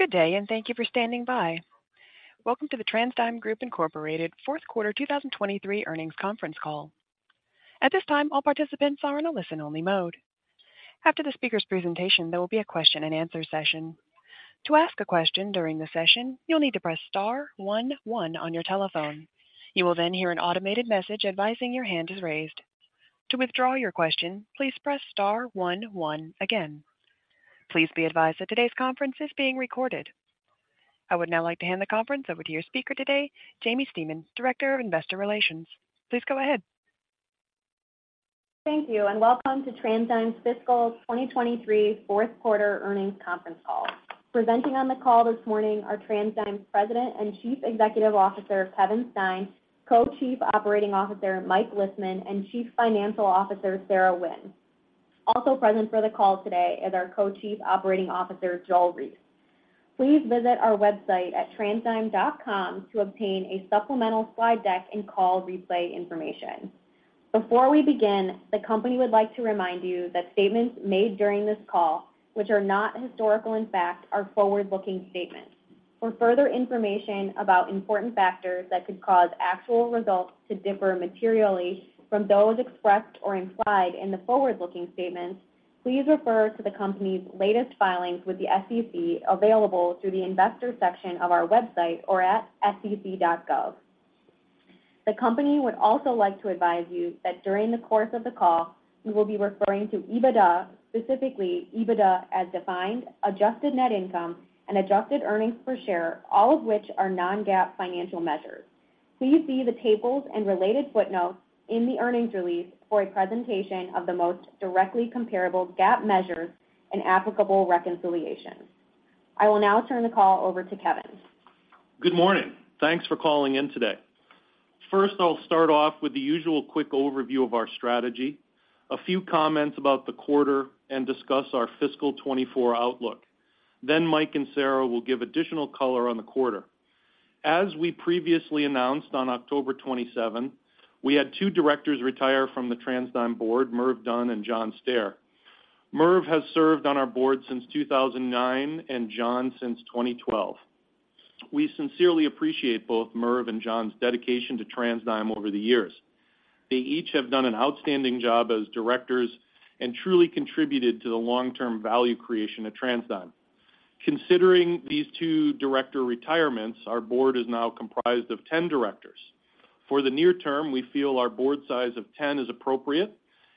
Good day, and thank you for standing by. Welcome to the TransDigm Group Incorporated Fourth Quarter 2023 Earnings Conference Call. At this time, all participants are in a listen-only mode. After the speaker's presentation, there will be a question-and-answer session. To ask a question during the session, you'll need to press star one one on your telephone. You will then hear an automated message advising your hand is raised. To withdraw your question, please press star one one again. Please be advised that today's conference is being recorded. I would now like to hand the conference over to your speaker today, Jaimie Stemen, Director of Investor Relations. Please go ahead. Thank you, and welcome to TransDigm's Fiscal 2023 Fourth Quarter Earnings Conference Call. Presenting on the call this morning are TransDigm's President and Chief Executive Officer, Kevin Stein, Co-Chief Operating Officer, Mike Lisman, and Chief Financial Officer, Sarah Wynne. Also present for the call today is our Co-Chief Operating Officer, Joel Reiss. Please visit our website at transdigm.com to obtain a supplemental slide deck and call replay information. Before we begin, the company would like to remind you that statements made during this call, which are not historical in fact, are forward-looking statements. For further information about important factors that could cause actual results to differ materially from those expressed or implied in the forward-looking statements, please refer to the company's latest filings with the SEC, available through the Investors section of our website or at sec.gov. The company would also like to advise you that during the course of the call, we will be referring to EBITDA, specifically EBITDA as defined, adjusted net income, and adjusted earnings per share, all of which are non-GAAP financial measures. Please see the tables and related footnotes in the earnings release for a presentation of the most directly comparable GAAP measures and applicable reconciliations. I will now turn the call over to Kevin. Good morning. Thanks for calling in today. First, I'll start off with the usual quick overview of our strategy, a few comments about the quarter, and discuss our fiscal 2024 outlook. Then Mike and Sarah will give additional color on the quarter. As we previously announced on October twenty-seventh, we had two directors retire from the TransDigm board, Mervin Dunn and John Staer. Mervin has served on our board since 2009, and John since 2012. We sincerely appreciate both Mervin and John's dedication to TransDigm over the years. They each have done an outstanding job as directors and truly contributed to the long-term value creation at TransDigm. Considering these two director retirements, our board is now comprised of 10 directors. For the near term, we feel our board size of 10 is appropriate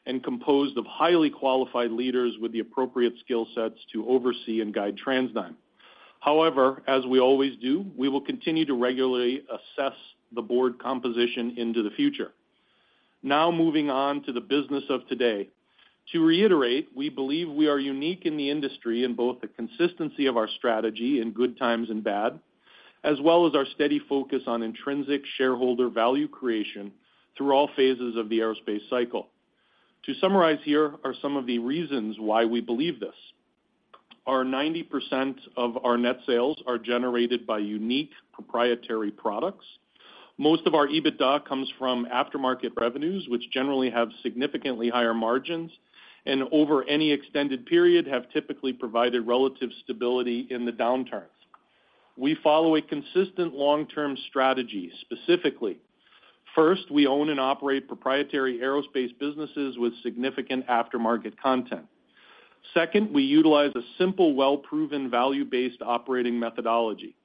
and composed of highly qualified leaders with the appropriate skill sets to oversee and guide TransDigm. However, as we always do, we will continue to regularly assess the board composition into the future. Now moving on to the business of today. To reiterate, we believe we are unique in the industry in both the consistency of our strategy in good times and bad, as well as our steady focus on intrinsic shareholder value creation through all phases of the aerospace cycle. To summarize, here are some of the reasons why we believe this. 90% of our net sales are generated by unique proprietary products. Most of our EBITDA comes from aftermarket revenues, which generally have significantly higher margins and over any extended period, have typically provided relative stability in the downturns. We follow a consistent long-term strategy, specifically: first, we own and operate proprietary aerospace businesses with significant aftermarket content. Second, we utilize a simple, well-proven, value-based operating methodology.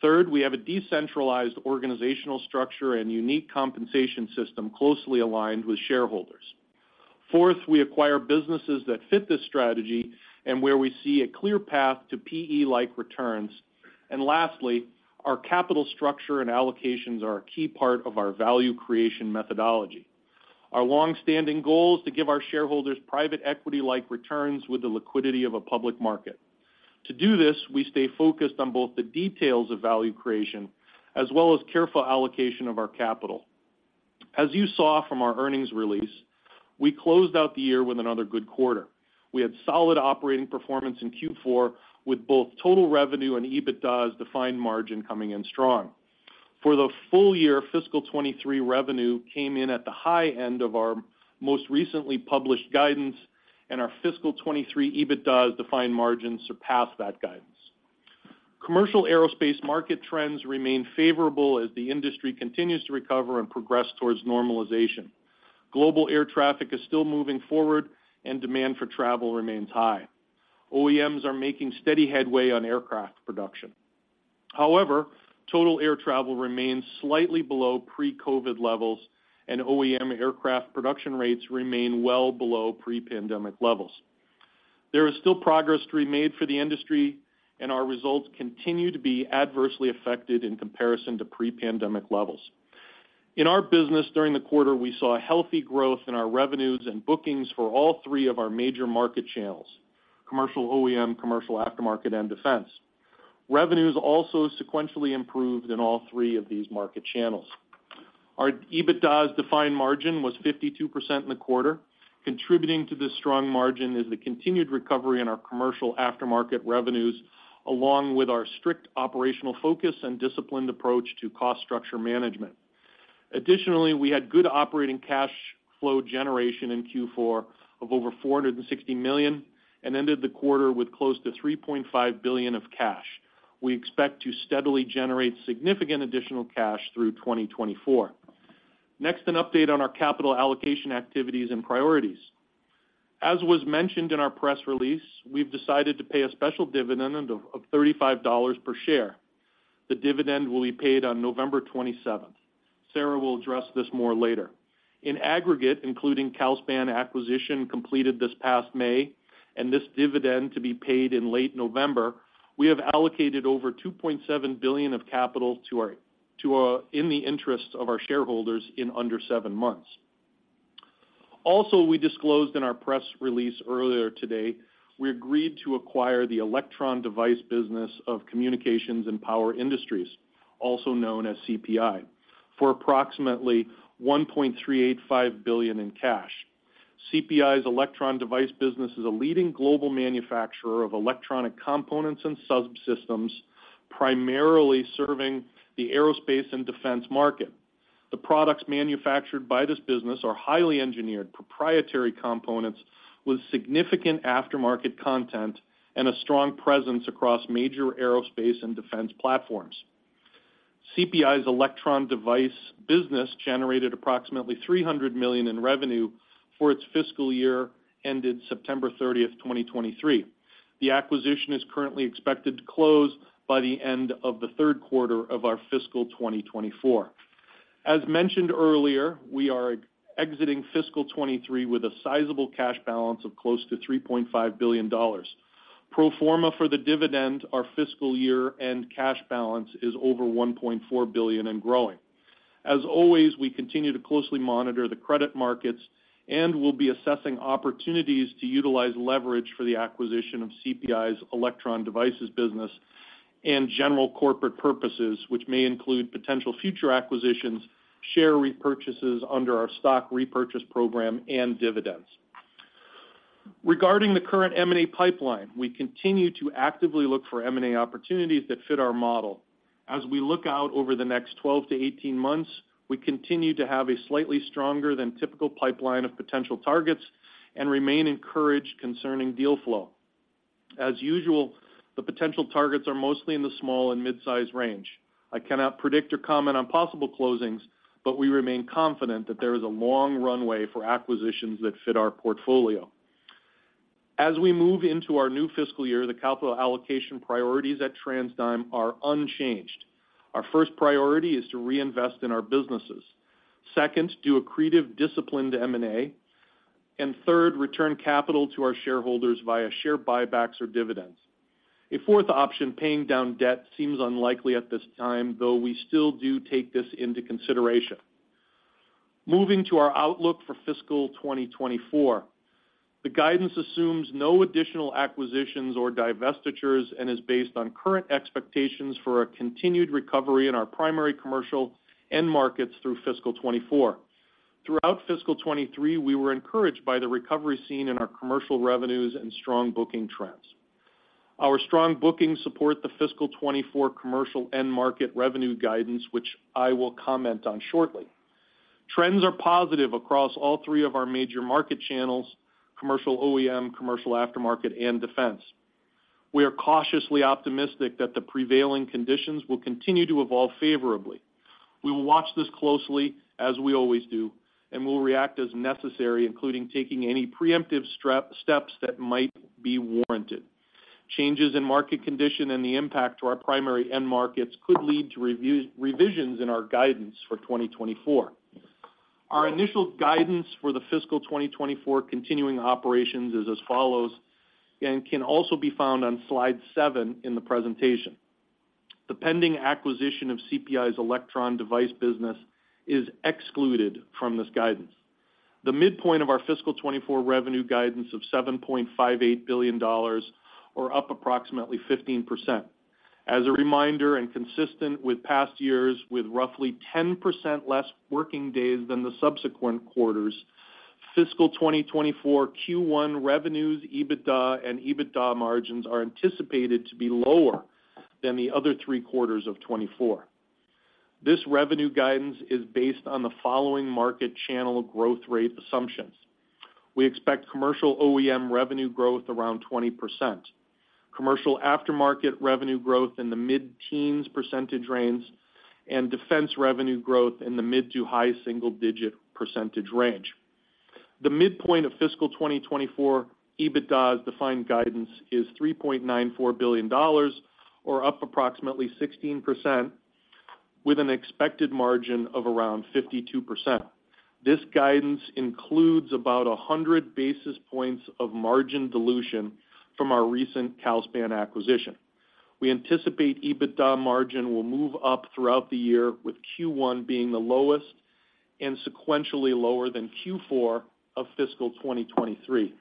Third, we have a decentralized organizational structure and unique compensation system closely aligned with shareholders. Fourth, we acquire businesses that fit this strategy and where we see a clear path to PE-like returns. And lastly, our capital structure and allocations are a key part of our value creation methodology. Our longstanding goal is to give our shareholders private equity-like returns with the liquidity of a public market. To do this, we stay focused on both the details of value creation as well as careful allocation of our capital. As you saw from our earnings release, we closed out the year with another good quarter. We had solid operating performance in Q4, with both total revenue and EBITDA as defined margin coming in strong. For the full year, fiscal 2023 revenue came in at the high end of our most recently published guidance, and our fiscal 2023 EBITDA as defined margin surpassed that guidance. Commercial aerospace market trends remain favorable as the industry continues to recover and progress towards normalization. Global air traffic is still moving forward, and demand for travel remains high. OEMs are making steady headway on aircraft production. However, total air travel remains slightly below pre-COVID levels, and OEM aircraft production rates remain well below pre-pandemic levels. There is still progress to be made for the industry, and our results continue to be adversely affected in comparison to pre-pandemic levels. In our business during the quarter, we saw a healthy growth in our revenues and bookings for all three of our major market channels: commercial OEM, commercial aftermarket, and defense. Revenues also sequentially improved in all three of these market channels. Our EBITDA as defined margin was 52% in the quarter. Contributing to this strong margin is the continued recovery in our commercial aftermarket revenues, along with our strict operational focus and disciplined approach to cost structure management. Additionally, we had good operating cash flow generation in Q4 of over $460 million, and ended the quarter with close to $3.5 billion of cash. We expect to steadily generate significant additional cash through 2024. Next, an update on our capital allocation activities and priorities. As was mentioned in our press release, we've decided to pay a special dividend of $35 per share. The dividend will be paid on November 27th. Sarah will address this more later. In aggregate, including Calspan acquisition completed this past May, and this dividend to be paid in late November, we have allocated over $2.7 billion of capital in the interest of our shareholders in under seven months. Also, we disclosed in our press release earlier today, we agreed to acquire the Electron Device Business of Communications and Power Industries, also known as CPI, for approximately $1.385 billion in cash. CPI's Electron Device Business is a leading global manufacturer of electronic components and subsystems, primarily serving the aerospace and defense market. The products manufactured by this business are highly engineered proprietary components with significant aftermarket content and a strong presence across major aerospace and defense platforms. CPI's Electron Device Business generated approximately $300 million in revenue for its fiscal year ended September 30, 2023. The acquisition is currently expected to close by the end of the third quarter of our fiscal 2024. As mentioned earlier, we are exiting fiscal 2023 with a sizable cash balance of close to $3.5 billion. Pro forma for the dividend, our fiscal year-end cash balance is over $1.4 billion and growing. As always, we continue to closely monitor the credit markets, and we'll be assessing opportunities to utilize leverage for the acquisition of CPI's electron devices business and general corporate purposes, which may include potential future acquisitions, share repurchases under our stock repurchase program, and dividends. Regarding the current M&A pipeline, we continue to actively look for M&A opportunities that fit our model. As we look out over the next 12-18 months, we continue to have a slightly stronger than typical pipeline of potential targets and remain encouraged concerning deal flow. As usual, the potential targets are mostly in the small and mid-size range. I cannot predict or comment on possible closings, but we remain confident that there is a long runway for acquisitions that fit our portfolio. As we move into our new fiscal year, the capital allocation priorities at TransDigm are unchanged. Our first priority is to reinvest in our businesses. Second, do accretive, disciplined M&A. Third, return capital to our shareholders via share buybacks or dividends. A fourth option, paying down debt, seems unlikely at this time, though we still do take this into consideration. Moving to our outlook for fiscal 2024, the guidance assumes no additional acquisitions or divestitures and is based on current expectations for a continued recovery in our primary commercial end markets through fiscal 2024. Throughout fiscal 2023, we were encouraged by the recovery seen in our commercial revenues and strong booking trends. Our strong bookings support the fiscal 2024 commercial end-market revenue guidance, which I will comment on shortly. Trends are positive across all three of our major market channels: commercial OEM, commercial aftermarket, and defense. We are cautiously optimistic that the prevailing conditions will continue to evolve favorably. We will watch this closely, as we always do, and we'll react as necessary, including taking any preemptive steps that might be warranted. Changes in market condition and the impact to our primary end markets could lead to revisions in our guidance for 2024. Our initial guidance for the fiscal 2024 continuing operations is as follows, and can also be found on slide 7 in the presentation. The pending acquisition of CPI's Electron Device Business is excluded from this guidance. The midpoint of our fiscal 2024 revenue guidance of $7.58 billion is up approximately 15%. As a reminder, and consistent with past years, with roughly 10% less working days than the subsequent quarters, fiscal 2024 Q1 revenues, EBITDA, and EBITDA margins are anticipated to be lower than the other three quarters of 2024. This revenue guidance is based on the following market channel growth rate assumptions. We expect commercial OEM revenue growth around 20%, commercial aftermarket revenue growth in the mid-teens % range, and defense revenue growth in the mid- to high-single-digit % range. The midpoint of fiscal 2024 EBITDA as defined guidance is $3.94 billion or up approximately 16%, with an expected margin of around 52%. This guidance includes about 100 basis points of margin dilution from our recent Calspan acquisition. We anticipate EBITDA margin will move up throughout the year, with Q1 being the lowest and sequentially lower than Q4 of fiscal 2023.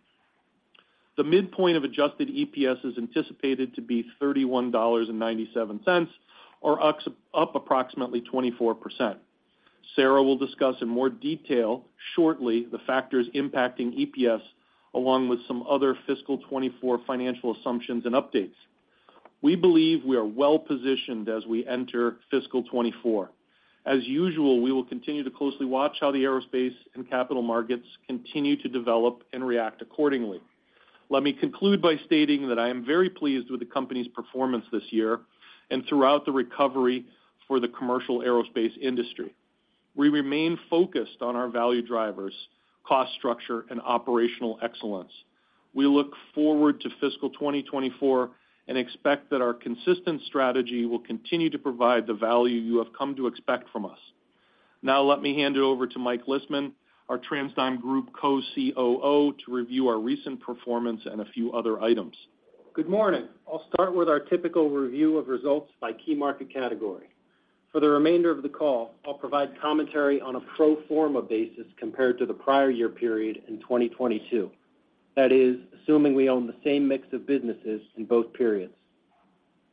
The midpoint of adjusted EPS is anticipated to be $31.97, up approximately 24%. Sarah will discuss in more detail shortly the factors impacting EPS, along with some other fiscal 2024 financial assumptions and updates. We believe we are well positioned as we enter fiscal 2024. As usual, we will continue to closely watch how the aerospace and capital markets continue to develop and react accordingly. Let me conclude by stating that I am very pleased with the company's performance this year and throughout the recovery for the commercial aerospace industry. We remain focused on our value drivers, cost structure, and operational excellence. We look forward to fiscal 2024, and expect that our consistent strategy will continue to provide the value you have come to expect from us. Now, let me hand it over to Mike Lisman, our TransDigm Group Co-COO, to review our recent performance and a few other items. Good morning. I'll start with our typical review of results by key market category. For the remainder of the call, I'll provide commentary on a pro forma basis compared to the prior year period in 2022. That is, assuming we own the same mix of businesses in both periods.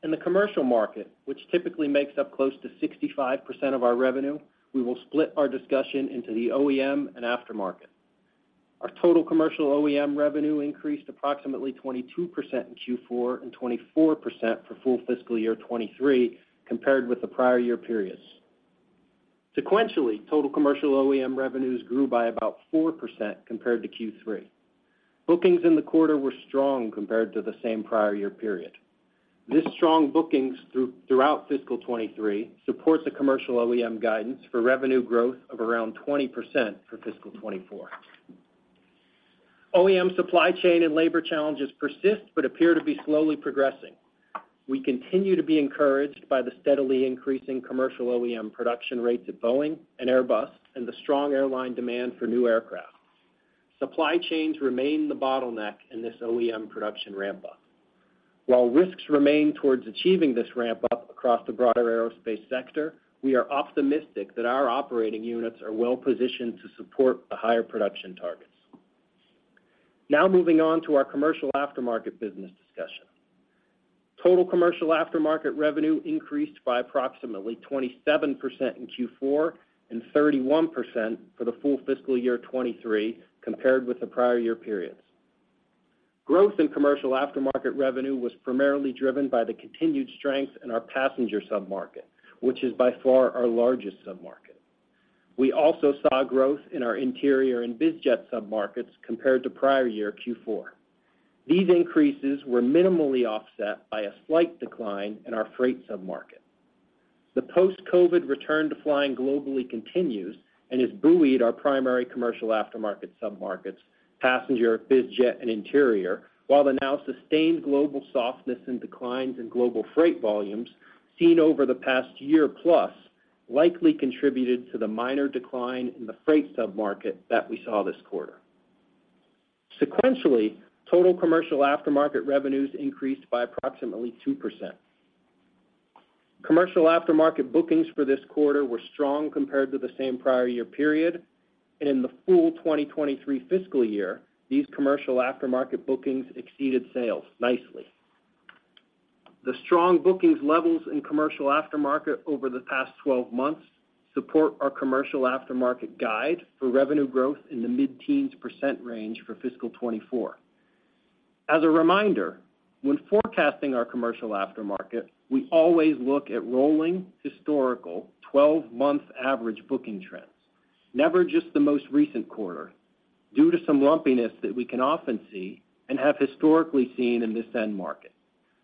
In the commercial market, which typically makes up close to 65% of our revenue, we will split our discussion into the OEM and aftermarket. Our total commercial OEM revenue increased approximately 22% in Q4 and 24% for full fiscal year 2023, compared with the prior year periods. Sequentially, total commercial OEM revenues grew by about 4% compared to Q3. Bookings in the quarter were strong compared to the same prior year period. This strong bookings throughout fiscal 2023 supports the commercial OEM guidance for revenue growth of around 20% for fiscal 2024. OEM supply chain and labor challenges persist, but appear to be slowly progressing. We continue to be encouraged by the steadily increasing commercial OEM production rates at Boeing and Airbus, and the strong airline demand for new aircraft. Supply chains remain the bottleneck in this OEM production ramp-up. While risks remain towards achieving this ramp-up across the broader aerospace sector, we are optimistic that our operating units are well positioned to support the higher production targets. Now moving on to our commercial aftermarket business discussion. Total commercial aftermarket revenue increased by approximately 27% in Q4, and 31% for the full fiscal year 2023, compared with the prior year periods. Growth in commercial aftermarket revenue was primarily driven by the continued strength in our passenger sub-market, which is by far our largest sub-market. We also saw growth in our interior and biz jet sub-markets compared to prior year Q4. These increases were minimally offset by a slight decline in our freight sub-market. The post-COVID return to flying globally continues and has buoyed our primary commercial aftermarket sub-markets, passenger, biz jet, and interior, while the now sustained global softness and declines in global freight volumes seen over the past year plus likely contributed to the minor decline in the freight sub-market that we saw this quarter. Sequentially, total commercial aftermarket revenues increased by approximately 2%. Commercial aftermarket bookings for this quarter were strong compared to the same prior year period, and in the full 2023 fiscal year, these commercial aftermarket bookings exceeded sales nicely. The strong bookings levels in commercial aftermarket over the past 12 months support our commercial aftermarket guide for revenue growth in the mid-teens % range for fiscal 2024. As a reminder, when forecasting our commercial aftermarket, we always look at rolling historical 12-month average booking trends, never just the most recent quarter, due to some lumpiness that we can often see and have historically seen in this end market.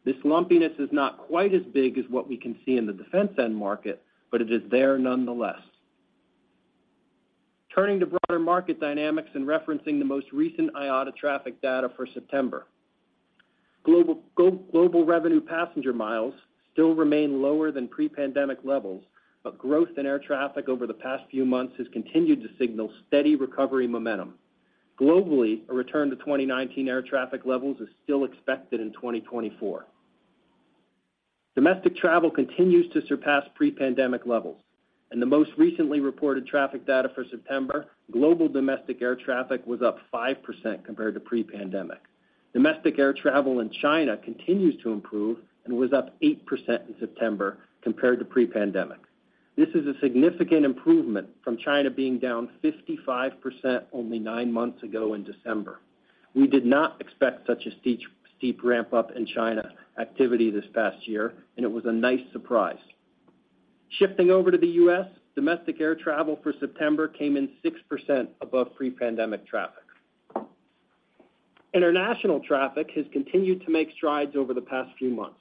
This lumpiness is not quite as big as what we can see in the defense end market, but it is there nonetheless. Turning to broader market dynamics and referencing the most recent IATA traffic data for September. Global revenue passenger miles still remain lower than pre-pandemic levels, but growth in air traffic over the past few months has continued to signal steady recovery momentum. Globally, a return to 2019 air traffic levels is still expected in 2024. Domestic travel continues to surpass pre-pandemic levels, and the most recently reported traffic data for September, global domestic air traffic was up 5% compared to pre-pandemic. Domestic air travel in China continues to improve and was up 8% in September compared to pre-pandemic. This is a significant improvement from China being down 55% only nine months ago in December. We did not expect such a steep, steep ramp-up in China activity this past year, and it was a nice surprise. Shifting over to the U.S., domestic air travel for September came in 6% above pre-pandemic traffic. International traffic has continued to make strides over the past few months.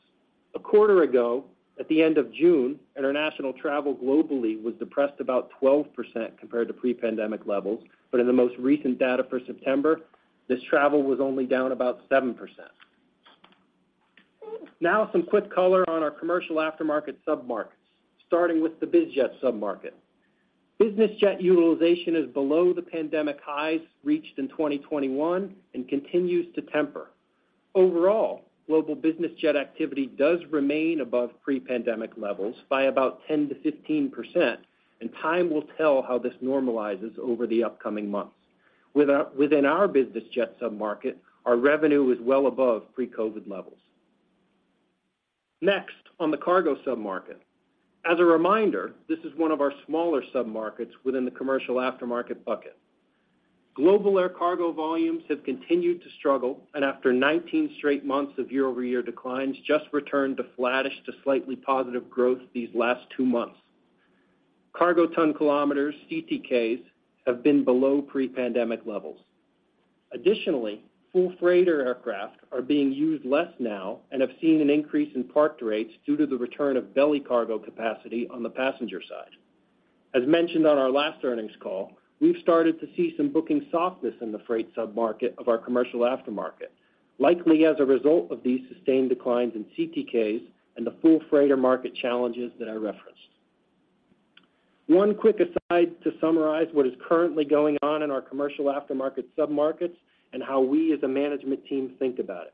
A quarter ago, at the end of June, international travel globally was depressed about 12% compared to pre-pandemic levels, but in the most recent data for September, this travel was only down about 7%. Now, some quick color on our commercial aftermarket sub-markets, starting with the biz jet sub-market. Business jet utilization is below the pandemic highs reached in 2021 and continues to temper. Overall, global business jet activity does remain above pre-pandemic levels by about 10%-15%, and time will tell how this normalizes over the upcoming months. Within our business jet sub-market, our revenue is well above pre-COVID levels. Next, on the cargo sub-market. As a reminder, this is one of our smaller sub-markets within the commercial aftermarket bucket. Global air cargo volumes have continued to struggle, and after 19 straight months of year-over-year declines, just returned to flattish to slightly positive growth these last two months. Cargo Ton Kilometers, CTKs, have been below pre-pandemic levels. Additionally, full freighter aircraft are being used less now and have seen an increase in parked rates due to the return of belly cargo capacity on the passenger side. As mentioned on our last earnings call, we've started to see some booking softness in the freight sub-market of our commercial aftermarket, likely as a result of these sustained declines in CTKs and the full freighter market challenges that I referenced. One quick aside to summarize what is currently going on in our commercial aftermarket sub-markets and how we as a management team think about it.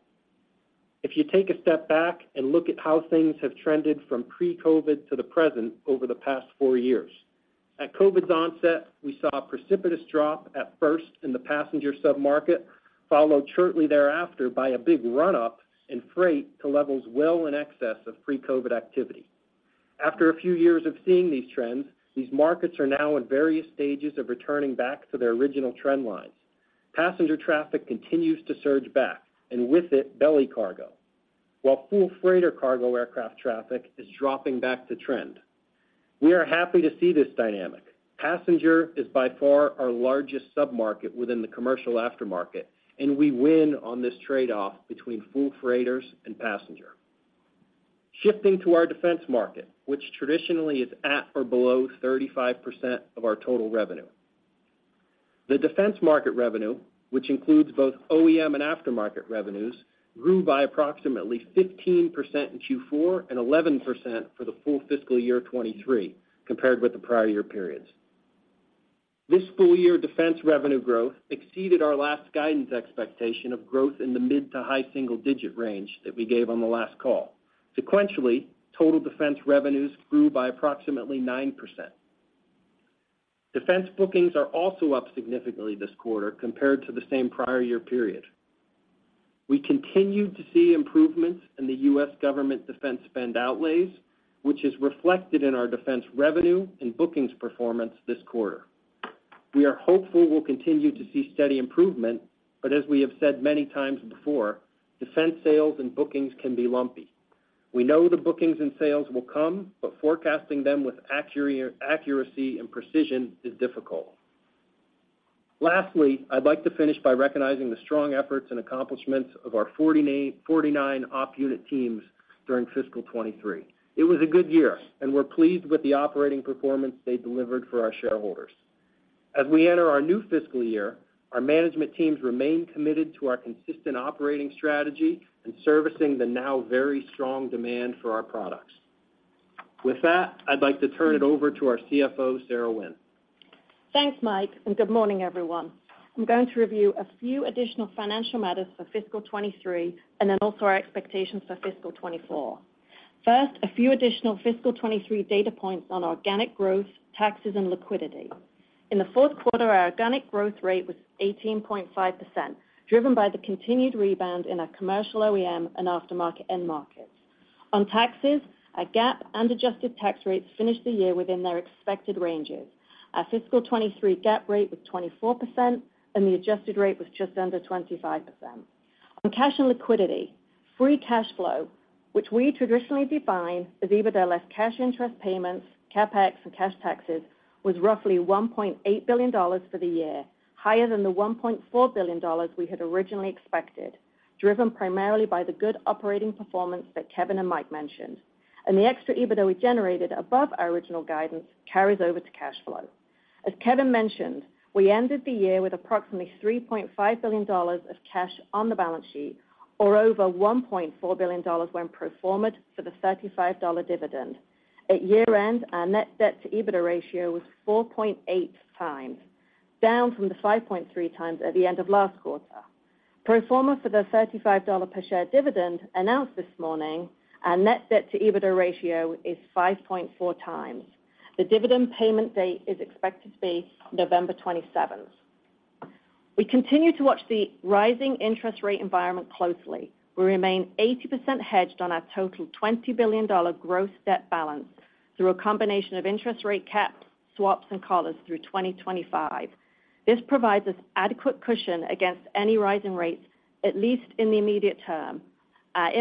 If you take a step back and look at how things have trended from pre-COVID to the present over the past four years, at COVID's onset, we saw a precipitous drop at first in the passenger sub-market, followed shortly thereafter by a big run-up in freight to levels well in excess of pre-COVID activity. After a few years of seeing these trends, these markets are now in various stages of returning back to their original trend lines. Passenger traffic continues to surge back, and with it, belly cargo, while full freighter cargo aircraft traffic is dropping back to trend. We are happy to see this dynamic. Passenger is by far our largest sub-market within the commercial aftermarket, and we win on this trade-off between full freighters and passenger. Shifting to our defense market, which traditionally is at or below 35% of our total revenue. The defense market revenue, which includes both OEM and aftermarket revenues, grew by approximately 15% in Q4 and 11% for the full fiscal year 2023, compared with the prior year periods. This full year defense revenue growth exceeded our last guidance expectation of growth in the mid to high single digit range that we gave on the last call. Sequentially, total defense revenues grew by approximately 9%. Defense bookings are also up significantly this quarter compared to the same prior year period. We continued to see improvements in the U.S. government defense spend outlays, which is reflected in our defense revenue and bookings performance this quarter. We are hopeful we'll continue to see steady improvement, but as we have said many times before, defense sales and bookings can be lumpy. We know the bookings and sales will come, but forecasting them with accuracy and precision is difficult. Lastly, I'd like to finish by recognizing the strong efforts and accomplishments of our 49 op unit teams during fiscal 2023. It was a good year, and we're pleased with the operating performance they delivered for our shareholders. As we enter our new fiscal year, our management teams remain committed to our consistent operating strategy and servicing the now very strong demand for our products. With that, I'd like to turn it over to our CFO, Sarah Wynne. Thanks, Mike, and good morning, everyone. I'm going to review a few additional financial matters for fiscal 2023, and then also our expectations for fiscal 2024. First, a few additional fiscal 2023 data points on organic growth, taxes, and liquidity. In the fourth quarter, our organic growth rate was 18.5%, driven by the continued rebound in our commercial OEM and aftermarket end markets. On taxes, our GAAP and adjusted tax rates finished the year within their expected ranges. Our fiscal 2023 GAAP rate was 24%, and the adjusted rate was just under 25%. On cash and liquidity, free cash flow, which we traditionally define as EBITDA less cash interest payments, CapEx, and cash taxes, was roughly $1.8 billion for the year, higher than the $1.4 billion we had originally expected, driven primarily by the good operating performance that Kevin and Mike mentioned, and the extra EBITDA we generated above our original guidance carries over to cash flow. As Kevin mentioned, we ended the year with approximately $3.5 billion of cash on the balance sheet, or over $1.4 billion when pro forma'd for the $35 dividend. At year-end, our net debt to EBITDA ratio was 4.8 times, down from the 5.3 times at the end of last quarter. Pro forma for the $35 per share dividend announced this morning, our net debt to EBITDA ratio is 5.4 times. The dividend payment date is expected to be November 27th. We continue to watch the rising interest rate environment closely. We remain 80% hedged on our total $20 billion gross debt balance through a combination of interest rate caps, swaps, and collars through 2025. This provides us adequate cushion against any rising rates, at least in the immediate term. Our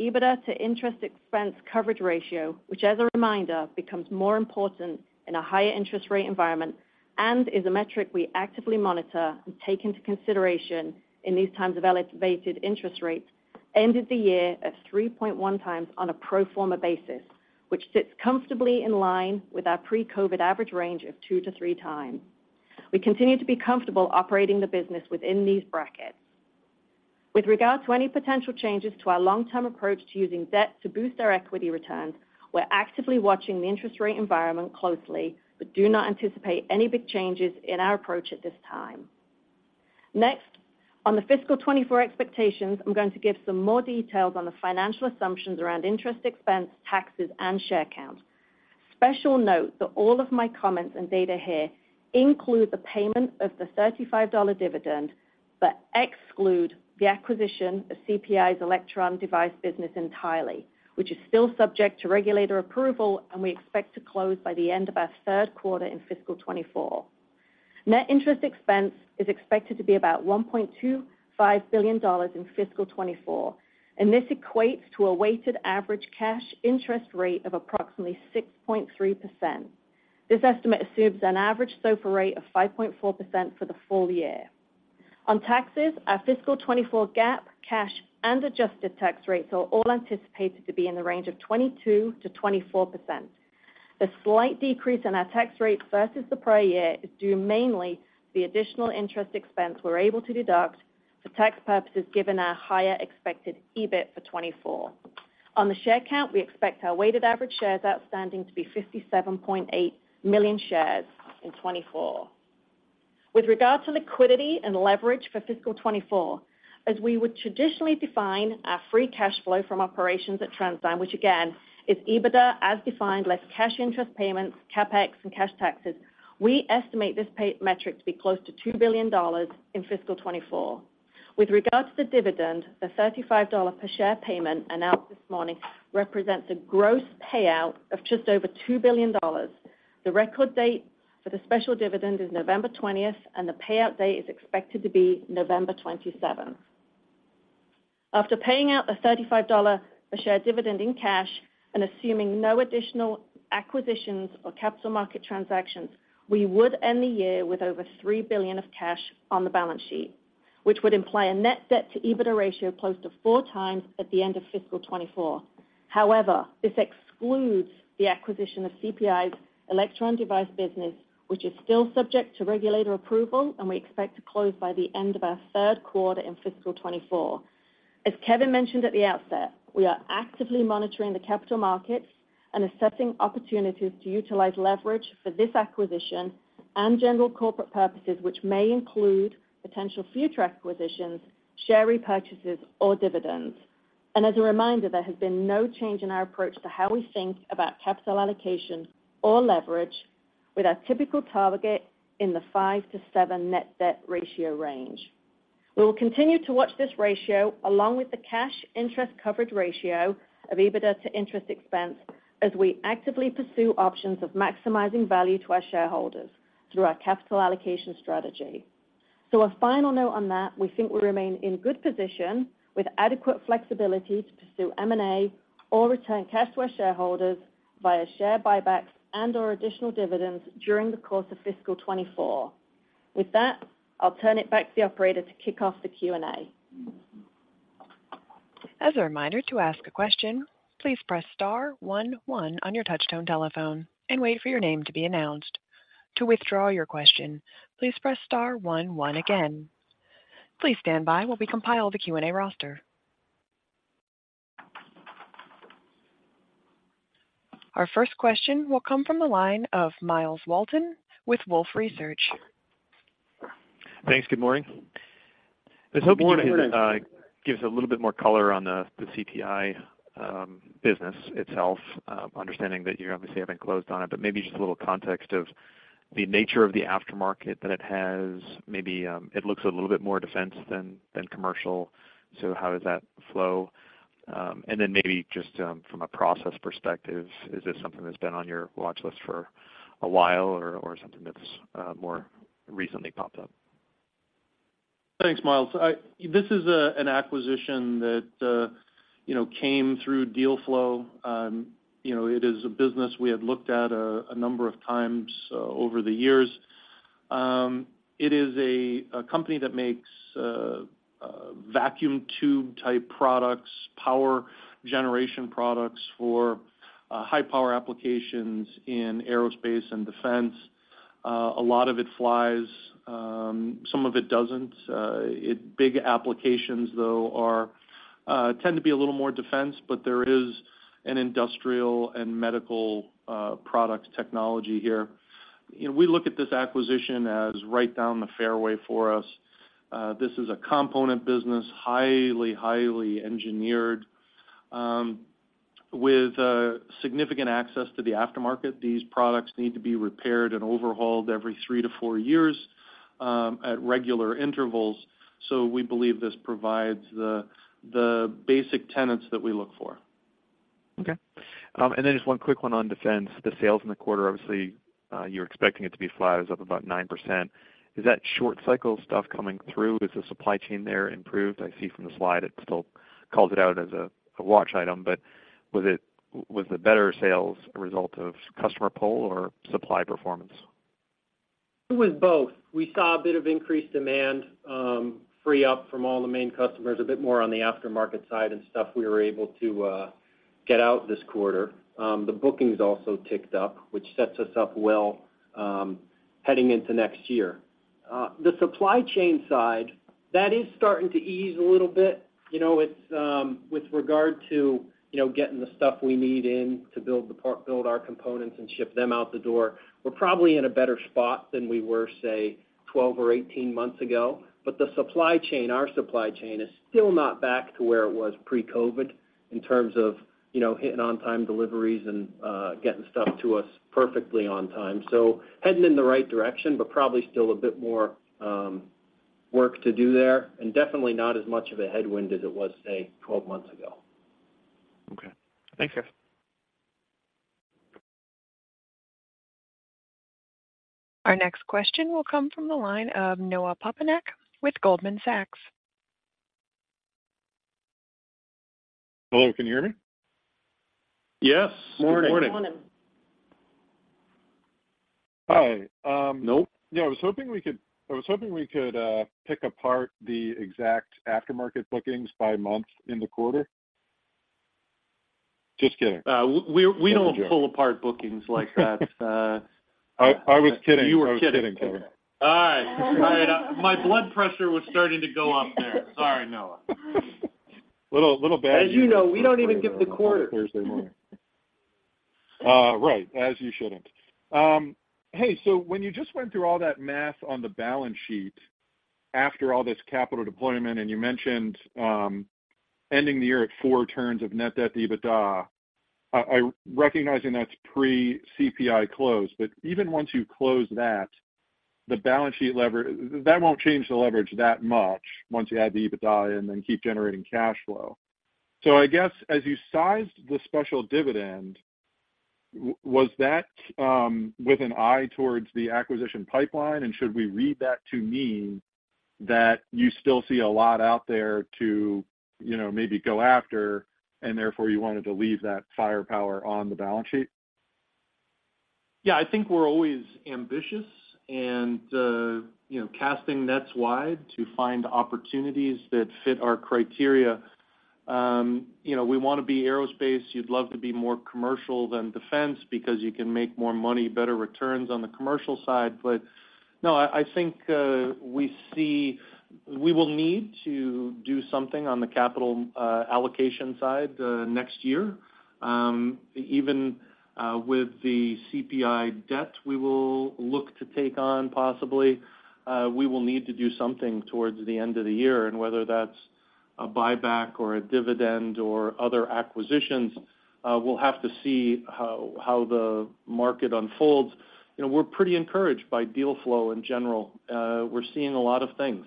EBITDA to interest expense coverage ratio, which, as a reminder, becomes more important in a higher interest rate environment and is a metric we actively monitor and take into consideration in these times of elevated interest rates, ended the year at 3.1 times on a pro forma basis, which sits comfortably in line with our pre-COVID average range of 2-3 times. We continue to be comfortable operating the business within these brackets. With regard to any potential changes to our long-term approach to using debt to boost our equity returns, we're actively watching the interest rate environment closely, but do not anticipate any big changes in our approach at this time. Next, on the fiscal 2024 expectations, I'm going to give some more details on the financial assumptions around interest expense, taxes, and share count. Special note that all of my comments and data here include the payment of the $35 dividend, but exclude the acquisition of CPI's electron device business entirely, which is still subject to regulator approval, and we expect to close by the end of our third quarter in fiscal 2024. Net interest expense is expected to be about $1.25 billion in fiscal 2024, and this equates to a weighted average cash interest rate of approximately 6.3%. This estimate assumes an average SOFR rate of 5.4% for the full year. On taxes, our fiscal 2024 GAAP, cash, and adjusted tax rates are all anticipated to be in the range of 22%-24%. The slight decrease in our tax rate versus the prior year is due mainly to the additional interest expense we're able to deduct for tax purposes, given our higher expected EBIT for 2024. On the share count, we expect our weighted average shares outstanding to be 57.8 million shares in 2024. With regard to liquidity and leverage for fiscal 2024, as we would traditionally define our free cash flow from operations at TransDigm, which again, is EBITDA as defined, less cash interest payments, CapEx, and cash taxes, we estimate this metric to be close to $2 billion in fiscal 2024. With regard to the dividend, the $35 per share payment announced this morning represents a gross payout of just over $2 billion. The record date for the special dividend is November twentieth, and the payout date is expected to be November twenty-seventh. After paying out the $35 per share dividend in cash and assuming no additional acquisitions or capital market transactions, we would end the year with over $3 billion of cash on the balance sheet, which would imply a net debt to EBITDA ratio close to 4 times at the end of fiscal 2024. However, this excludes the acquisition of CPI's Electron Device Business, which is still subject to regulatory approval, and we expect to close by the end of our third quarter in fiscal 2024. As Kevin mentioned at the outset, we are actively monitoring the capital markets and assessing opportunities to utilize leverage for this acquisition and general corporate purposes, which may include potential future acquisitions, share repurchases, or dividends. As a reminder, there has been no change in our approach to how we think about capital allocation or leverage with our typical target in the 5-7 net debt ratio range. We will continue to watch this ratio, along with the cash interest coverage ratio of EBITDA to interest expense, as we actively pursue options of maximizing value to our shareholders through our capital allocation strategy. A final note on that, we think we remain in good position with adequate flexibility to pursue M&A or return cash to our shareholders via share buybacks and/or additional dividends during the course of fiscal 2024. With that, I'll turn it back to the operator to kick off the Q&A. As a reminder, to ask a question, please press star one one on your touchtone telephone and wait for your name to be announced. To withdraw your question, please press star one one again. Please stand by while we compile the Q&A roster. Our first question will come from the line of Myles Walton with Wolfe Research. Thanks. Good morning. Good morning. I was hoping you could give us a little bit more color on the CPI business itself, understanding that you obviously haven't closed on it, but maybe just a little context of the nature of the aftermarket that it has. Maybe it looks a little bit more defense than commercial, so how does that flow? And then maybe just from a process perspective, is this something that's been on your watchlist for a while or something that's more recently popped up? Thanks, Miles. This is an acquisition that, you know, came through deal flow. You know, it is a business we had looked at a number of times over the years. It is a company that makes vacuum tube-type products, power generation products for high-power applications in aerospace and defense. A lot of it flies, some of it doesn't. Big applications, though, tend to be a little more defense, but there is an industrial and medical product technology here. You know, we look at this acquisition as right down the fairway for us. This is a component business, highly, highly engineered, with significant access to the aftermarket. These products need to be repaired and overhauled every three to four years at regular intervals. So we believe this provides the basic tenets that we look for. Okay. And then just one quick one on defense. The sales in the quarter, obviously, you're expecting it to be flat. It was up about 9%. Is that short cycle stuff coming through? Is the supply chain there improved? I see from the slide it still calls it out as a watch item, but was the better sales a result of customer pull or supply performance? It was both. We saw a bit of increased demand, free up from all the main customers, a bit more on the aftermarket side and stuff we were able to get out this quarter. The bookings also ticked up, which sets us up well, heading into next year. The supply chain side, that is starting to ease a little bit. You know, it's with regard to, you know, getting the stuff we need in to build our components and ship them out the door, we're probably in a better spot than we were, say, 12 or 18 months ago. But the supply chain, our supply chain, is still not back to where it was pre-COVID in terms of, you know, hitting on-time deliveries and getting stuff to us perfectly on time. Heading in the right direction, but probably still a bit more work to do there, and definitely not as much of a headwind as it was, say, 12 months ago.... Okay, thanks guys. Our next question will come from the line of Noah Poponak with Goldman Sachs. Hello, can you hear me? Yes. Good morning. Morning. Hi. Um. Nope. Yeah, I was hoping we could pick apart the exact aftermarket bookings by month in the quarter. Just kidding. We don't pull apart bookings like that. I was kidding. You were kidding. I was kidding, Kevin. All right. My blood pressure was starting to go up there. Sorry, Noah. Little, little bad- As you know, we don't even give the quarter. Right, as you shouldn't. Hey, so when you just went through all that math on the balance sheet, after all this capital deployment, and you mentioned ending the year at four turns of net debt EBITDA, I—recognizing that's pre-CPI close, but even once you close that, the balance sheet—that won't change the leverage that much once you add the EBITDA in and keep generating cash flow. So I guess, as you sized the special dividend, was that with an eye towards the acquisition pipeline, and should we read that to mean that you still see a lot out there to, you know, maybe go after, and therefore you wanted to leave that firepower on the balance sheet? Yeah, I think we're always ambitious and, you know, casting nets wide to find opportunities that fit our criteria. You know, we want to be aerospace. You'd love to be more commercial than defense because you can make more money, better returns on the commercial side. But no, I think we see, we will need to do something on the capital allocation side next year. Even with the CPI debt we will look to take on possibly, we will need to do something towards the end of the year, and whether that's a buyback or a dividend or other acquisitions, we'll have to see how the market unfolds. You know, we're pretty encouraged by deal flow in general. We're seeing a lot of things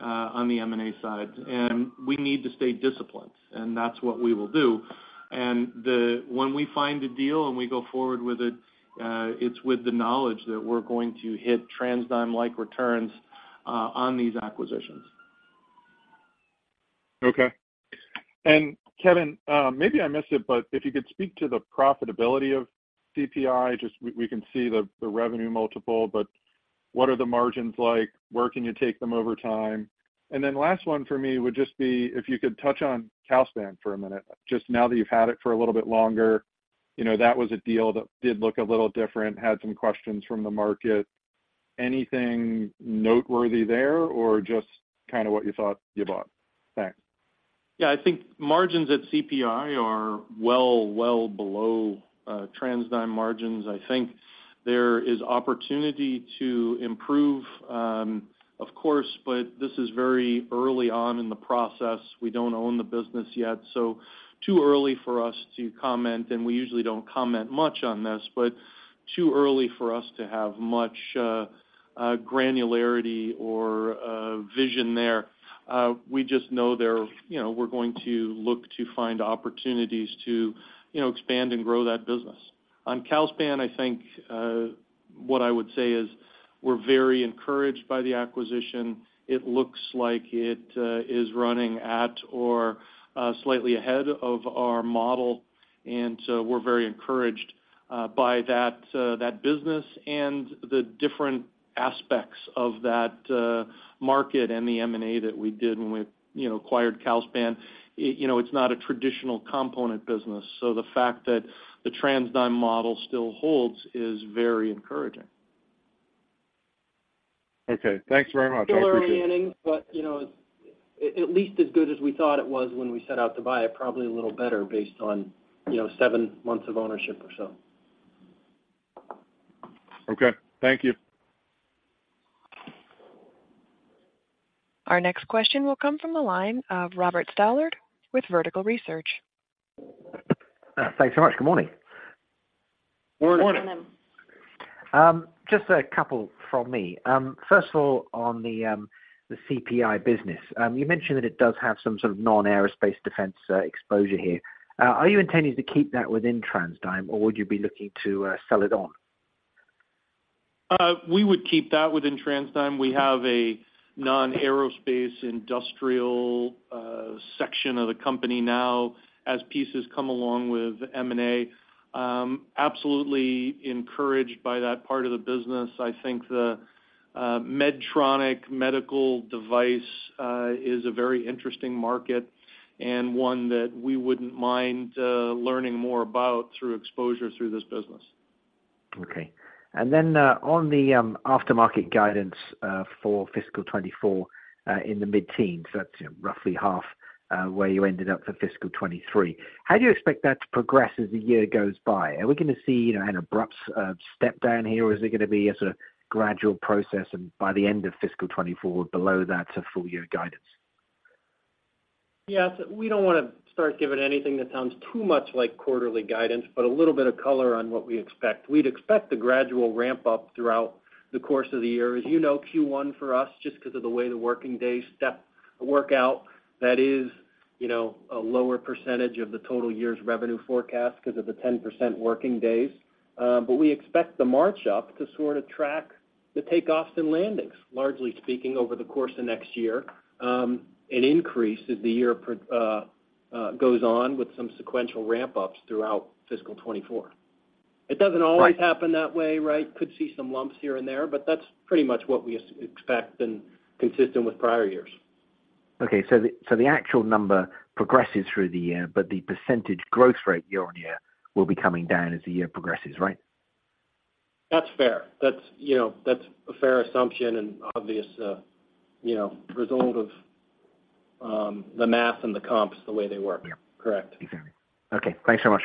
on the M&A side, and we need to stay disciplined, and that's what we will do. And the, when we find a deal and we go forward with it, it's with the knowledge that we're going to hit TransDigm-like returns on these acquisitions. Okay. And Kevin, maybe I missed it, but if you could speak to the profitability of CPI, just we, we can see the, the revenue multiple, but what are the margins like? Where can you take them over time? And then last one for me would just be if you could touch on Calspan for a minute, just now that you've had it for a little bit longer. You know, that was a deal that did look a little different, had some questions from the market. Anything noteworthy there or just kind of what you thought you bought? Thanks. Yeah, I think margins at CPI are well, well below TransDigm margins. I think there is opportunity to improve, of course, but this is very early on in the process. We don't own the business yet, so too early for us to comment, and we usually don't comment much on this, but too early for us to have much granularity or vision there. We just know there, you know, we're going to look to find opportunities to, you know, expand and grow that business. On Calspan, I think what I would say is we're very encouraged by the acquisition. It looks like it is running at or slightly ahead of our model, and so we're very encouraged by that business and the different aspects of that market and the M&A that we did when we, you know, acquired Calspan. You know, it's not a traditional component business, so the fact that the TransDigm model still holds is very encouraging. Okay, thanks very much.... But, you know, it's at least as good as we thought it was when we set out to buy it, probably a little better based on, you know, seven months of ownership or so. Okay, thank you. Our next question will come from the line of Robert Stallard with Vertical Research. Thanks so much. Good morning. Morning. Morning. Just a couple from me. First of all, on the CPI business, you mentioned that it does have some sort of non-aerospace defense exposure here. Are you intending to keep that within TransDigm, or would you be looking to sell it on? We would keep that within TransDigm. We have a non-aerospace, industrial section of the company now, as pieces come along with M&A. Absolutely encouraged by that part of the business. I think the Medtronic medical device is a very interesting market and one that we wouldn't mind learning more about through exposure through this business. Okay. And then, on the, aftermarket guidance, for fiscal 2024, in the mid-teen, so that's roughly half, where you ended up for fiscal 2023. How do you expect that to progress as the year goes by? Are we gonna see, you know, an abrupt, step down here, or is it gonna be a sort of gradual process and by the end of fiscal 2024, below that to full year guidance? Yeah, we don't wanna start giving anything that sounds too much like quarterly guidance, but a little bit of color on what we expect. We'd expect a gradual ramp-up throughout the course of the year. As you know, Q1 for us, just because of the way the working day stepped-... a workout that is, you know, a lower percentage of the total year's revenue forecast because of the 10% working days. But we expect the March up to sort of track the takeoffs and landings, largely speaking, over the course of next year. An increase as the year goes on with some sequential ramp-ups throughout fiscal 2024. It doesn't always happen that way, right? Could see some lumps here and there, but that's pretty much what we expect and consistent with prior years. Okay, so the actual number progresses through the year, but the percentage growth rate year-on-year will be coming down as the year progresses, right? That's fair. That's, you know, that's a fair assumption and obvious, you know, result of, the math and the comps, the way they work. Yeah. Correct. Okay. Okay, thanks so much.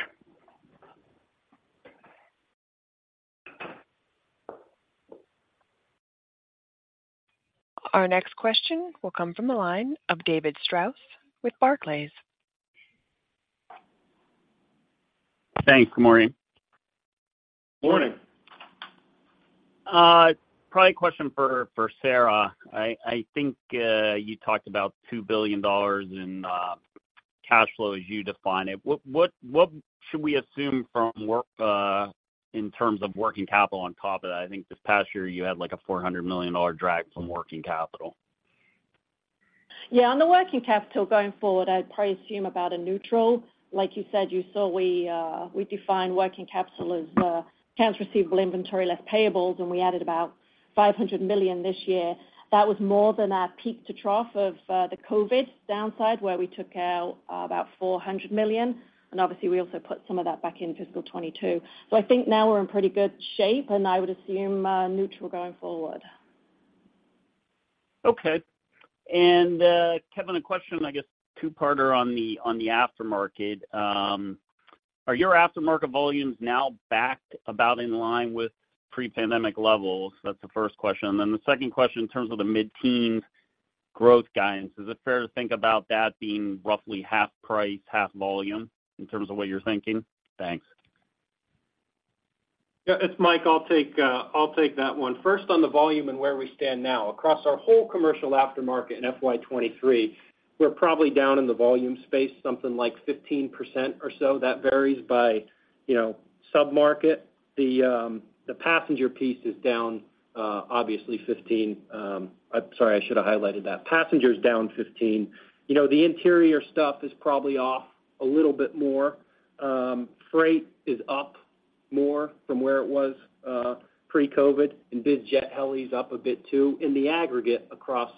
Our next question will come from the line of David Strauss with Barclays. Thanks. Good morning. Morning. Probably a question for, for Sarah. I, I think, you talked about $2 billion in cash flow as you define it. What, what, what should we assume from working in terms of working capital on top of that? I think this past year you had, like, a $400 million dollar drag from working capital. Yeah, on the working capital going forward, I'd probably assume about a neutral. Like you said, you saw we defined working capital as accounts receivable, inventory less payables, and we added about $500 million this year. That was more than our peak to trough of the COVID downside, where we took out about $400 million, and obviously we also put some of that back in fiscal 2022. So I think now we're in pretty good shape, and I would assume neutral going forward. Okay. And, Kevin, a question, I guess, two-parter on the, on the aftermarket. Are your aftermarket volumes now back about in line with pre-pandemic levels? That's the first question. And then the second question, in terms of the mid-teen growth guidance, is it fair to think about that being roughly half price, half volume in terms of what you're thinking? Thanks. Yeah, it's Mike. I'll take, I'll take that one. First, on the volume and where we stand now. Across our whole commercial aftermarket in FY 2023, we're probably down in the volume space, something like 15% or so. That varies by, you know, sub-market. The, the passenger piece is down, obviously 15. I'm sorry, I should have highlighted that. Passengers down 15. You know, the interior stuff is probably off a little bit more. Freight is up more from where it was, pre-COVID, and biz jet helis up a bit, too. In the aggregate, across,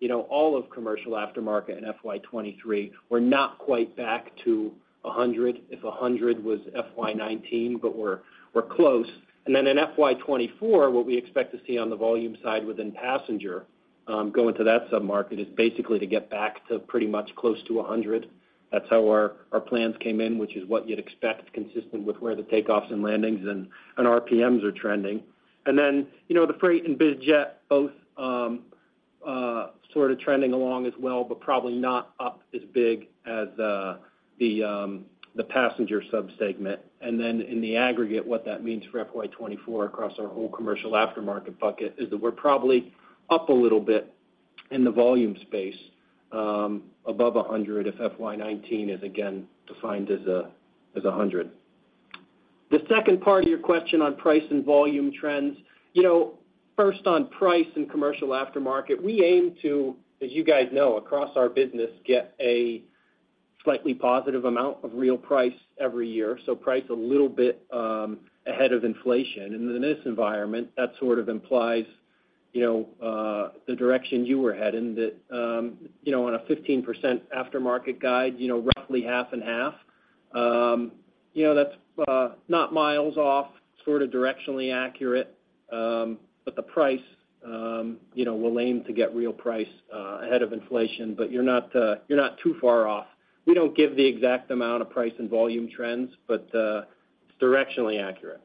you know, all of commercial aftermarket in FY 2023, we're not quite back to 100, if 100 was FY 2019, but we're, we're close. And then in FY 2024, what we expect to see on the volume side within passenger, going to that sub-market, is basically to get back to pretty much close to 100. That's how our, our plans came in, which is what you'd expect, consistent with where the takeoffs and landings and, and RPMs are trending. And then, you know, the freight and biz jet both, sort of trending along as well, but probably not up as big as, the, the passenger subsegment. And then in the aggregate, what that means for FY 2024 across our whole commercial aftermarket bucket is that we're probably up a little bit in the volume space, above 100, if FY 2019 is again defined as a, as 100. The second part of your question on price and volume trends. You know, first on price and commercial aftermarket, we aim to, as you guys know, across our business, get a slightly positive amount of real price every year, so price a little bit ahead of inflation. And in this environment, that sort of implies, you know, the direction you were heading, that you know, on a 15% aftermarket guide, you know, roughly half and half. You know, that's not miles off, sort of directionally accurate, but the price, you know, we'll aim to get real price ahead of inflation, but you're not, you're not too far off. We don't give the exact amount of price and volume trends, but it's directionally accurate.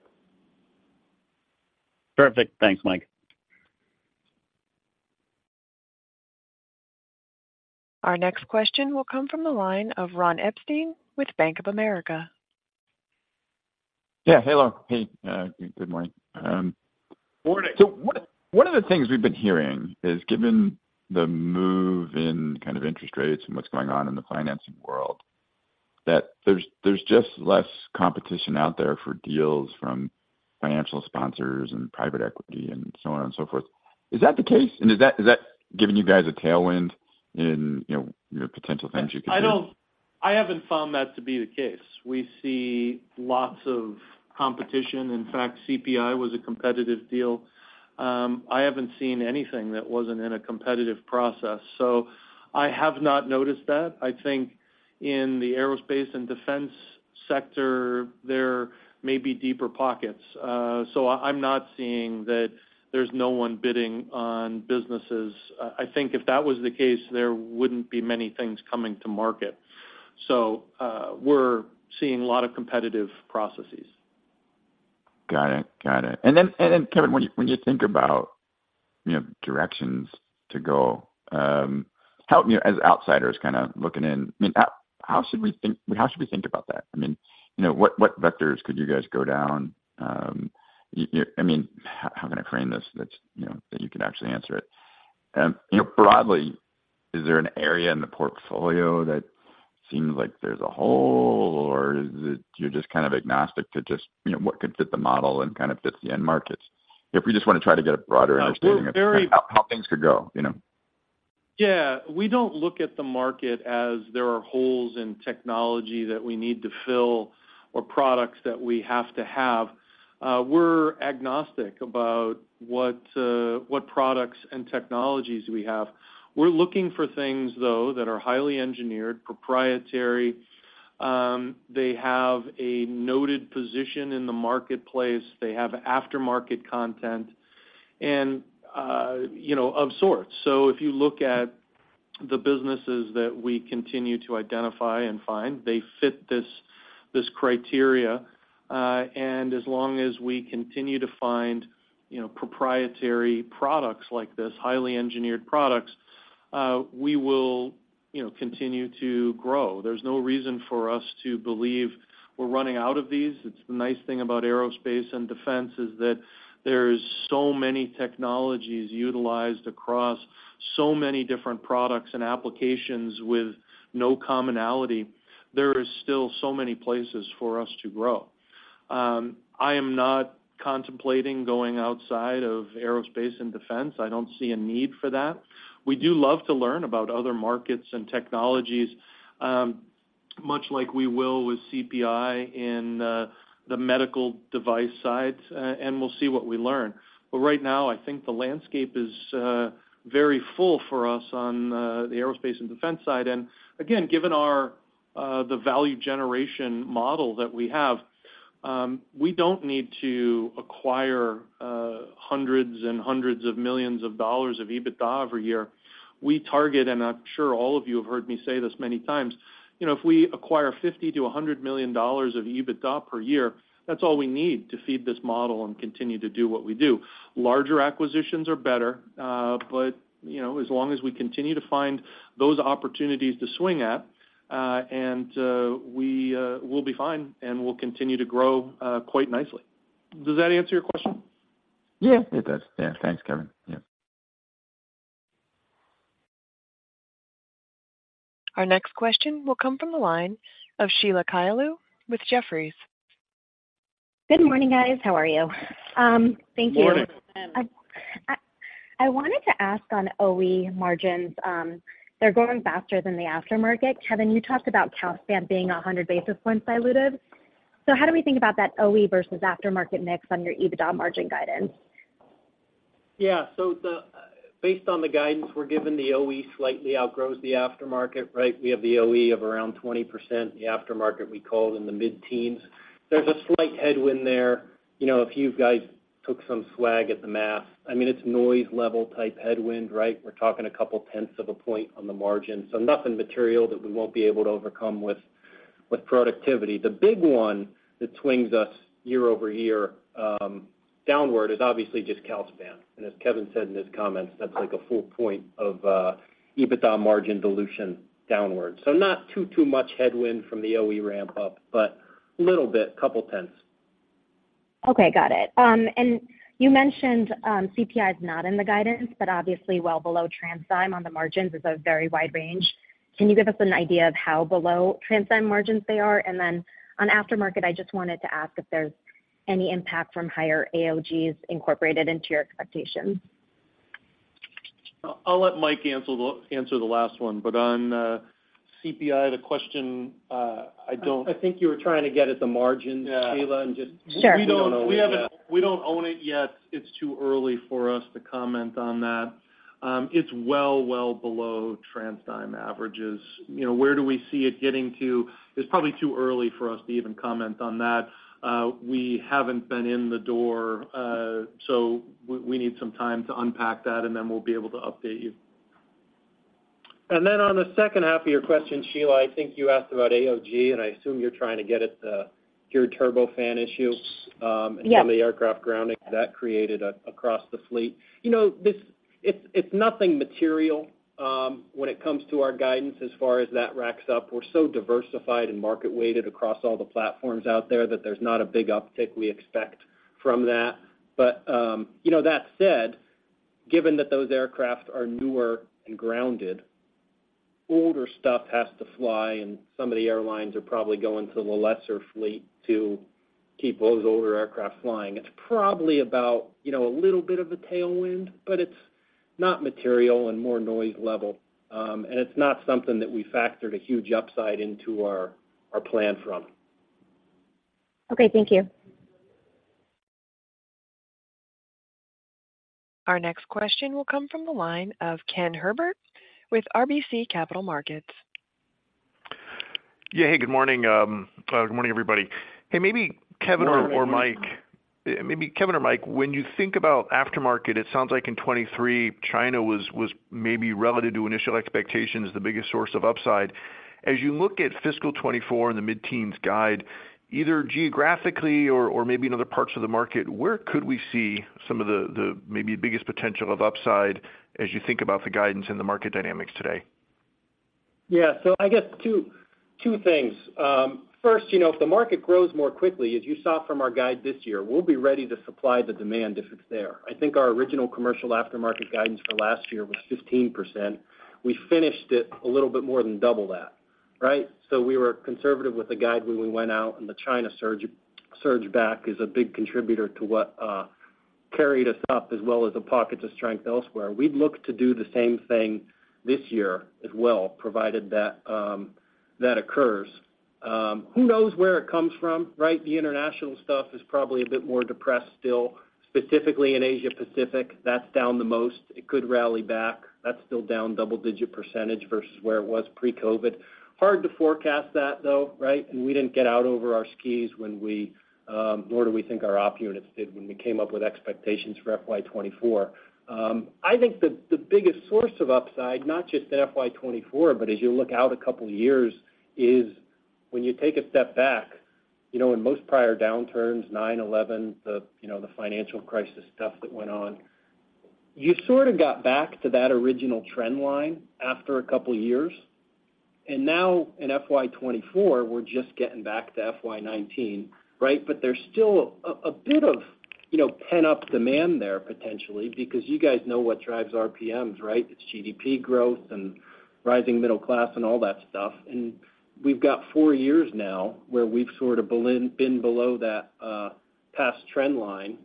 Perfect. Thanks, Mike. Our next question will come from the line of Ron Epstein with Bank of America. Yeah. Hello. Hey, good morning. Morning. So one, one of the things we've been hearing is, given the move in kind of interest rates and what's going on in the financing world, that there's, there's just less competition out there for deals from financial sponsors and private equity and so on and so forth. Is that the case, and is that, is that giving you guys a tailwind in, you know, your potential things you could do? I don't. I haven't found that to be the case. We see lots of competition. In fact, CPI was a competitive deal. I haven't seen anything that wasn't in a competitive process, so I have not noticed that. I think in the aerospace and defense sector, there may be deeper pockets. So I'm not seeing that there's no one bidding on businesses. I think if that was the case, there wouldn't be many things coming to market. So we're seeing a lot of competitive processes. Got it. Got it. And then, Kevin, when you think about, you know, directions to go, help me as outsiders kind of looking in. I mean, how should we think about that? I mean, you know, what vectors could you guys go down?... I mean, how can I frame this? That's, you know, that you can actually answer it. You know, broadly, is there an area in the portfolio that seems like there's a hole, or is it you're just kind of agnostic to just, you know, what could fit the model and kind of fits the end markets? If we just wanna try to get a broader understanding of- We're very- how things could go, you know? Yeah, we don't look at the market as there are holes in technology that we need to fill or products that we have to have. We're agnostic about what, what products and technologies we have. We're looking for things, though, that are highly engineered, proprietary, they have a noted position in the marketplace, they have aftermarket content, and, you know, of sorts. So if you look at the businesses that we continue to identify and find, they fit this, this criteria, and as long as we continue to find, you know, proprietary products like this, highly engineered products, we will, you know, continue to grow. There's no reason for us to believe we're running out of these. It's the nice thing about aerospace and defense is that there's so many technologies utilized across so many different products and applications with no commonality. There are still so many places for us to grow. I am not contemplating going outside of aerospace and defense. I don't see a need for that. We do love to learn about other markets and technologies, much like we will with CPI in, the medical device side, and we'll see what we learn. But right now, I think the landscape is, very full for us on, the aerospace and defense side. And again, given our, the value generation model that we have, we don't need to acquire, hundreds and hundreds of millions of dollars of EBITDA every year. We target, and I'm sure all of you have heard me say this many times, you know, if we acquire $50 million-$100 million of EBITDA per year, that's all we need to feed this model and continue to do what we do. Larger acquisitions are better, but, you know, as long as we continue to find those opportunities to swing at, and we'll be fine and we'll continue to grow quite nicely. Does that answer your question? Yeah, it does. Yeah. Thanks, Kevin. Yeah. Our next question will come from the line of Sheila Kahyaoglu with Jefferies. Good morning, guys. How are you? Thank you. Morning. I wanted to ask on OE margins, they're growing faster than the aftermarket. Kevin, you talked about Calspan being 100 basis points dilutive. So how do we think about that OE versus aftermarket mix on your EBITDA margin guidance? Yeah, so the based on the guidance we're given, the OE slightly outgrows the aftermarket, right? We have the OE of around 20%, the aftermarket we call it in the mid-teens. There's a slight headwind there. You know, a few guys took some swag at the math. I mean, it's noise level type headwind, right? We're talking a couple tenths of a point on the margin, so nothing material that we won't be able to overcome with, with productivity. The big one that swings us year-over-year downward is obviously just Calspan. And as Kevin said in his comments, that's like a full point of EBITDA margin dilution downward. So not too much headwind from the OE ramp up, but a little bit, couple tenths. Okay, got it. And you mentioned, CPI is not in the guidance, but obviously well below TransDigm on the margins is a very wide range. Can you give us an idea of how below TransDigm margins they are? And then on aftermarket, I just wanted to ask if there's any impact from higher AOGs incorporated into your expectations. I'll let Mike answer the last one, but on CPI, the question, I don't- I think you were trying to get at the margin, Sheila. Sure. Just, we don't know yet. We don't own it yet. It's too early for us to comment on that. It's well below TransDigm averages. You know, where do we see it getting to? It's probably too early for us to even comment on that. We haven't been in the door, so we need some time to unpack that, and then we'll be able to update you. Then on the second half of your question, Sheila, I think you asked about AOG, and I assume you're trying to get at the pure turbofan issue. Yes... and from the aircraft grounding that created across the fleet. You know, this, it's, it's nothing material, when it comes to our guidance as far as that racks up. We're so diversified and market-weighted across all the platforms out there that there's not a big uptick we expect from that. But, you know, that said, given that those aircraft are newer and grounded, older stuff has to fly, and some of the airlines are probably going to the lesser fleet to keep those older aircraft flying. It's probably about, you know, a little bit of a tailwind, but it's not material and more noise level. And it's not something that we factored a huge upside into our plan from. Okay, thank you. Our next question will come from the line of Ken Herbert with RBC Capital Markets. Yeah. Hey, good morning. Good morning, everybody. Hey, maybe Kevin or Mike- Morning. Maybe Kevin or Mike, when you think about aftermarket, it sounds like in 2023, China was maybe relative to initial expectations, the biggest source of upside. As you look at fiscal 2024 in the mid-teens guide, either geographically or maybe in other parts of the market, where could we see some of the maybe biggest potential of upside as you think about the guidance and the market dynamics today?... Yeah, so I guess two things. First, you know, if the market grows more quickly, as you saw from our guide this year, we'll be ready to supply the demand if it's there. I think our original commercial aftermarket guidance for last year was 15%. We finished it a little bit more than double that, right? So we were conservative with the guide when we went out, and the China surge back is a big contributor to what carried us up, as well as the pockets of strength elsewhere. We'd look to do the same thing this year as well, provided that that occurs. Who knows where it comes from, right? The international stuff is probably a bit more depressed still, specifically in Asia Pacific. That's down the most. It could rally back. That's still down double-digit% versus where it was pre-COVID. Hard to forecast that, though, right? And we didn't get out over our skis when we, nor do we think our op units did when we came up with expectations for FY 2024. I think the biggest source of upside, not just in FY 2024, but as you look out a couple of years, is when you take a step back, you know, in most prior downturns, 9/11, the, you know, the financial crisis stuff that went on, you sort of got back to that original trend line after a couple years. And now in FY 2024, we're just getting back to FY 2019, right? But there's still a bit of, you know, pent-up demand there, potentially, because you guys know what drives RPMs, right? It's GDP growth and rising middle class and all that stuff. And we've got four years now where we've sort of been below that past trend line,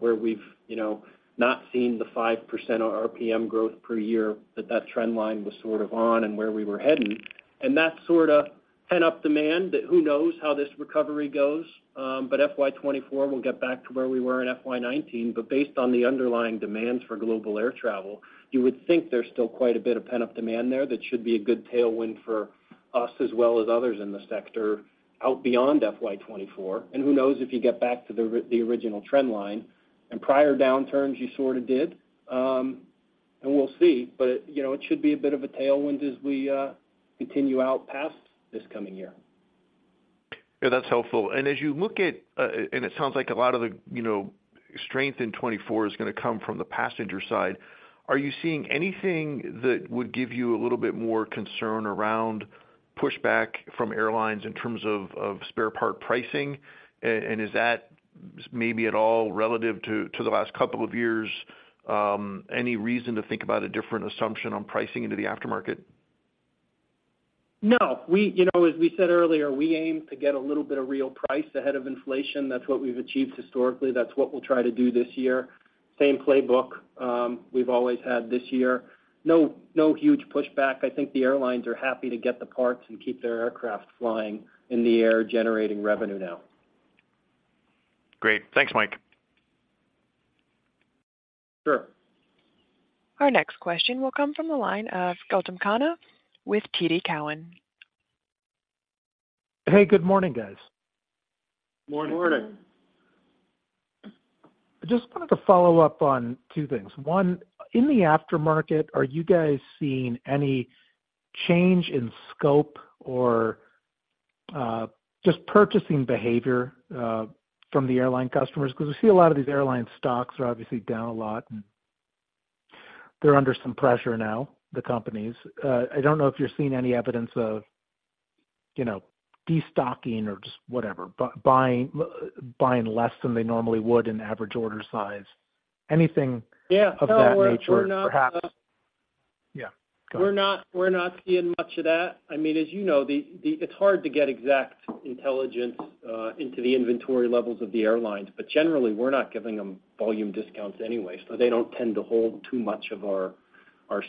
where we've, you know, not seen the 5% RPM growth per year, that that trend line was sort of on and where we were heading. And that sort of pent-up demand, that who knows how this recovery goes, but FY 2024 will get back to where we were in FY 2019. But based on the underlying demands for global air travel, you would think there's still quite a bit of pent-up demand there that should be a good tailwind for us, as well as others in the sector, out beyond FY 2024. And who knows if you get back to the original trend line. In prior downturns, you sort of did, and we'll see. But, you know, it should be a bit of a tailwind as we continue out past this coming year. Yeah, that's helpful. And as you look at... And it sounds like a lot of the, you know, strength in 2024 is gonna come from the passenger side, are you seeing anything that would give you a little bit more concern around pushback from airlines in terms of, of spare part pricing? And is that maybe at all relative to, to the last couple of years, any reason to think about a different assumption on pricing into the aftermarket? No. We, you know, as we said earlier, we aim to get a little bit of real price ahead of inflation. That's what we've achieved historically. That's what we'll try to do this year. Same playbook, we've always had this year. No, no huge pushback. I think the airlines are happy to get the parts and keep their aircraft flying in the air, generating revenue now. Great. Thanks, Mike. Sure. Our next question will come from the line of Gautam Khanna with TD Cowen. Hey, good morning, guys. Morning. Morning. I just wanted to follow up on two things. One, in the aftermarket, are you guys seeing any change in scope or just purchasing behavior from the airline customers? Because we see a lot of these airline stocks are obviously down a lot, and they're under some pressure now, the companies. I don't know if you're seeing any evidence of, you know, destocking or just whatever, buying, buying less than they normally would in average order size. Anything- Yeah... of that nature, perhaps? We're not. Yeah, go ahead. We're not, we're not seeing much of that. I mean, as you know, it's hard to get exact intelligence into the inventory levels of the airlines, but generally, we're not giving them volume discounts anyway, so they don't tend to hold too much of our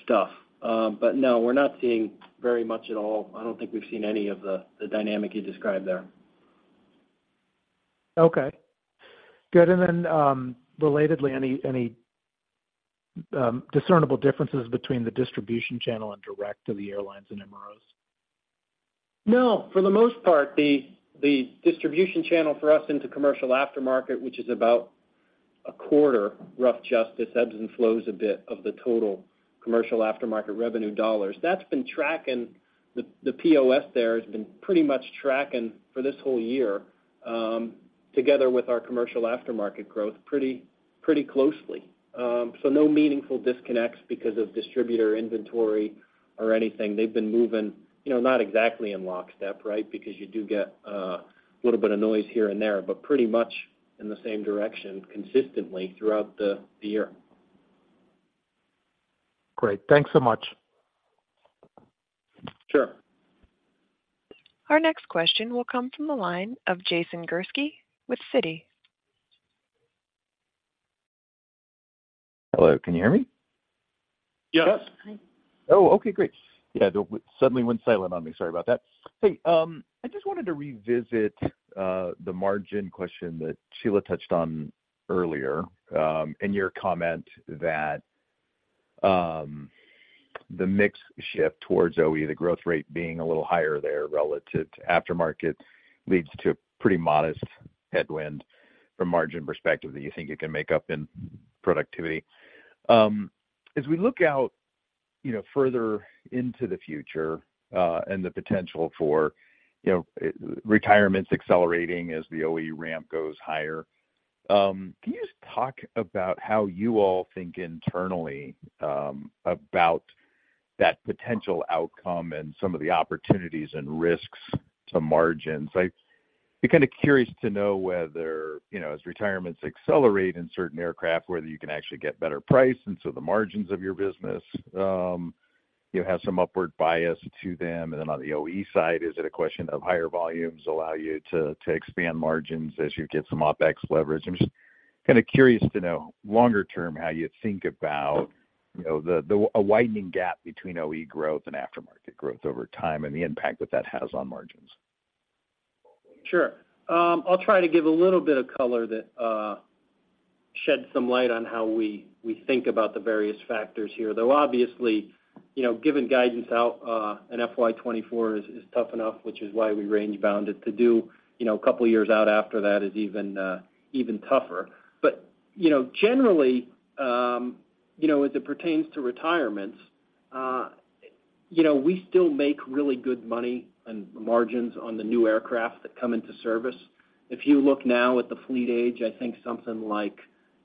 stuff. But no, we're not seeing very much at all. I don't think we've seen any of the dynamic you described there. Okay, good. And then, relatedly, any discernible differences between the distribution channel and direct to the airlines and MROs? No, for the most part, the distribution channel for us into commercial aftermarket, which is about a quarter, rough justice, ebbs and flows a bit of the total commercial aftermarket revenue dollars. That's been tracking—the POS there has been pretty much tracking for this whole year, together with our commercial aftermarket growth, pretty, pretty closely. So no meaningful disconnects because of distributor inventory or anything. They've been moving, you know, not exactly in lockstep, right? Because you do get a little bit of noise here and there, but pretty much in the same direction, consistently throughout the year. Great. Thanks so much. Sure. Our next question will come from the line of Jason Gursky with Citi. Hello, can you hear me? Yes. Yes. Oh, okay, great. Yeah, it suddenly went silent on me. Sorry about that. Hey, I just wanted to revisit the margin question that Sheila touched on earlier, and your comment that the mix shift towards OE, the growth rate being a little higher there relative to aftermarket, leads to pretty modest headwind from margin perspective that you think it can make up in productivity. As we look out, you know, further into the future, and the potential for, you know, retirements accelerating as the OE ramp goes higher. Can you just talk about how you all think internally about that potential outcome and some of the opportunities and risks to margins? I'd be kind of curious to know whether, you know, as retirements accelerate in certain aircraft, whether you can actually get better price, and so the margins of your business, you have some upward bias to them. And then on the OE side, is it a question of higher volumes allow you to expand margins as you get some OpEx leverage? I'm just kind of curious to know, longer term, how you think about, you know, a widening gap between OE growth and aftermarket growth over time, and the impact that that has on margins. Sure. I'll try to give a little bit of color that shed some light on how we think about the various factors here, though, obviously, you know, giving guidance out in FY 2024 is tough enough, which is why we range bound it. To do, you know, a couple of years out after that is even tougher. But, you know, generally, you know, as it pertains to retirements, you know, we still make really good money and margins on the new aircraft that come into service. If you look now at the fleet age, I think something like,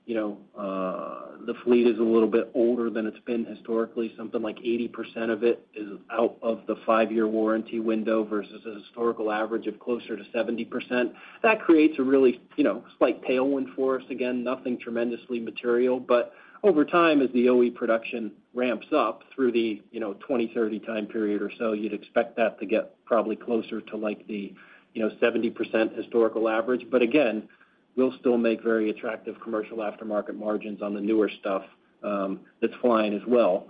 you know, the fleet is a little bit older than it's been historically. Something like 80% of it is out of the 5-year warranty window versus a historical average of closer to 70%. That creates a really, you know, slight tailwind for us. Again, nothing tremendously material, but over time, as the OE production ramps up through the, you know, 2020-2030 time period or so, you'd expect that to get probably closer to like the, you know, 70% historical average. But again, we'll still make very attractive commercial aftermarket margins on the newer stuff that's flying as well.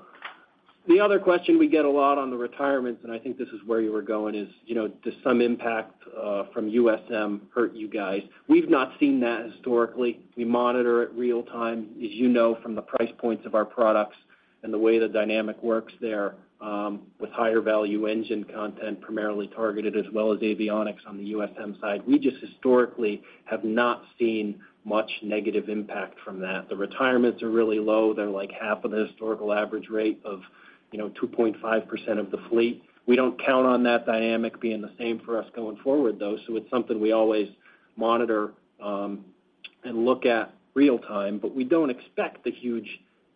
The other question we get a lot on the retirements, and I think this is where you were going, is, you know, does some impact from USM hurt you guys? We've not seen that historically. We monitor it real-time, as you know, from the price points of our products and the way the dynamic works there with higher value engine content, primarily targeted as well as avionics on the USM side. We just historically have not seen much negative impact from that. The retirements are really low. They're like half of the historical average rate of, you know, 2.5% of the fleet. We don't count on that dynamic being the same for us going forward, though, so it's something we always monitor and look at real time, but we don't expect a huge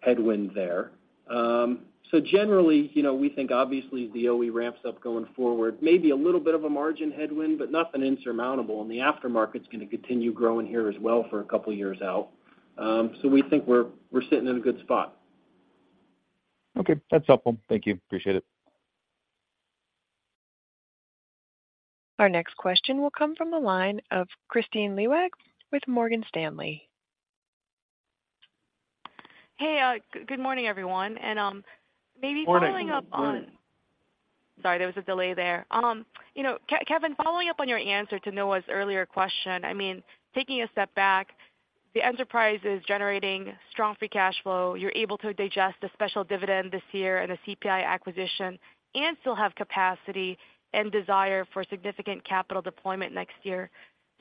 headwind there. So generally, you know, we think obviously, the OE ramps up going forward, maybe a little bit of a margin headwind, but nothing insurmountable, and the aftermarket is going to continue growing here as well for a couple of years out. So we think we're sitting in a good spot. Okay, that's helpful. Thank you. Appreciate it. Our next question will come from the line of Kristine Liwag with Morgan Stanley. Hey, good morning, everyone. And, maybe following up on- Morning. Sorry, there was a delay there. You know, Kevin, following up on your answer to Noah's earlier question, I mean, taking a step back, the enterprise is generating strong free cash flow. You're able to digest a special dividend this year and a CPI acquisition, and still have capacity and desire for significant capital deployment next year.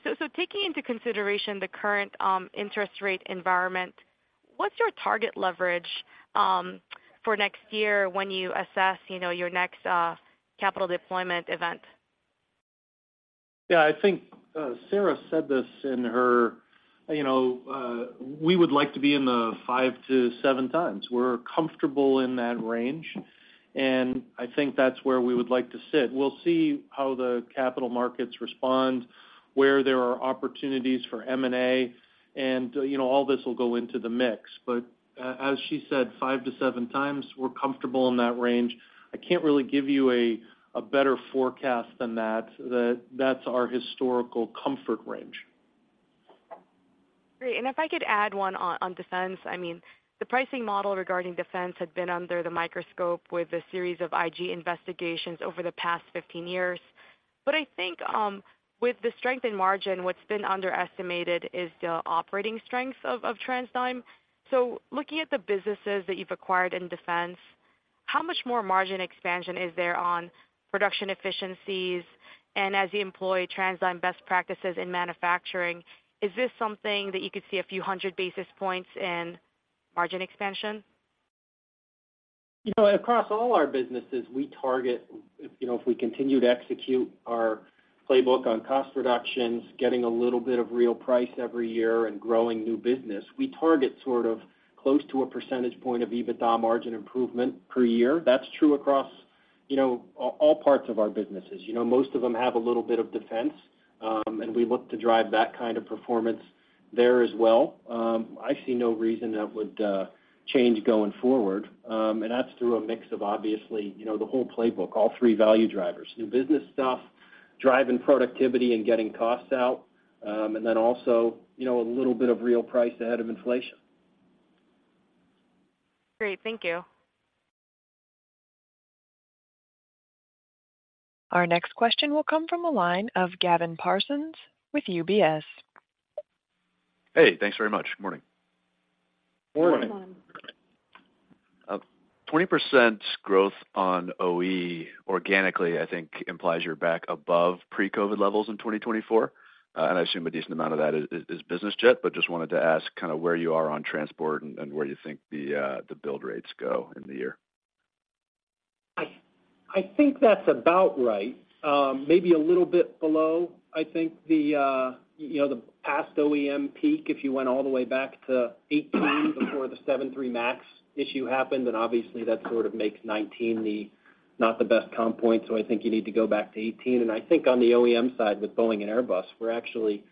So, taking into consideration the current interest rate environment, what's your target leverage for next year when you assess, you know, your next capital deployment event? Yeah, I think, Sarah said this in her... You know, we would like to be in the 5-7x. We're comfortable in that range, and I think that's where we would like to sit. We'll see how the capital markets respond, where there are opportunities for M&A, and, you know, all this will go into the mix. But as she said, 5-7x, we're comfortable in that range. I can't really give you a better forecast than that. That's our historical comfort range. Great. If I could add one on defense. I mean, the pricing model regarding defense had been under the microscope with a series of IG investigations over the past 15 years. But I think with the strength in margin, what's been underestimated is the operating strength of TransDigm. So looking at the businesses that you've acquired in defense, how much more margin expansion is there on production efficiencies? And as you employ TransDigm best practices in manufacturing, is this something that you could see a few hundred basis points in margin expansion? You know, across all our businesses, we target, you know, if we continue to execute our playbook on cost reductions, getting a little bit of real price every year and growing new business, we target sort of close to a percentage point of EBITDA margin improvement per year. That's true across, you know, all parts of our businesses. You know, most of them have a little bit of defense, and we look to drive that kind of performance there as well. I see no reason that would change going forward, and that's through a mix of obviously, you know, the whole playbook, all three value drivers: new business stuff, driving productivity and getting costs out, and then also, you know, a little bit of real price ahead of inflation. Great. Thank you. Our next question will come from the line of Gavin Parsons with UBS. Hey, thanks very much. Good morning. Morning. Good morning. 20% growth on OE organically, I think, implies you're back above pre-COVID levels in 2024, and I assume a decent amount of that is business jet, but just wanted to ask kind of where you are on transport and where you think the build rates go in the year? ... I think that's about right. Maybe a little bit below. I think the you know, the past OEM peak, if you went all the way back to 2018 before the 737 MAX issue happened, then obviously, that sort of makes 2019 the, not the best comp point, so I think you need to go back to 2018. And I think on the OEM side, with Boeing and Airbus, we're actually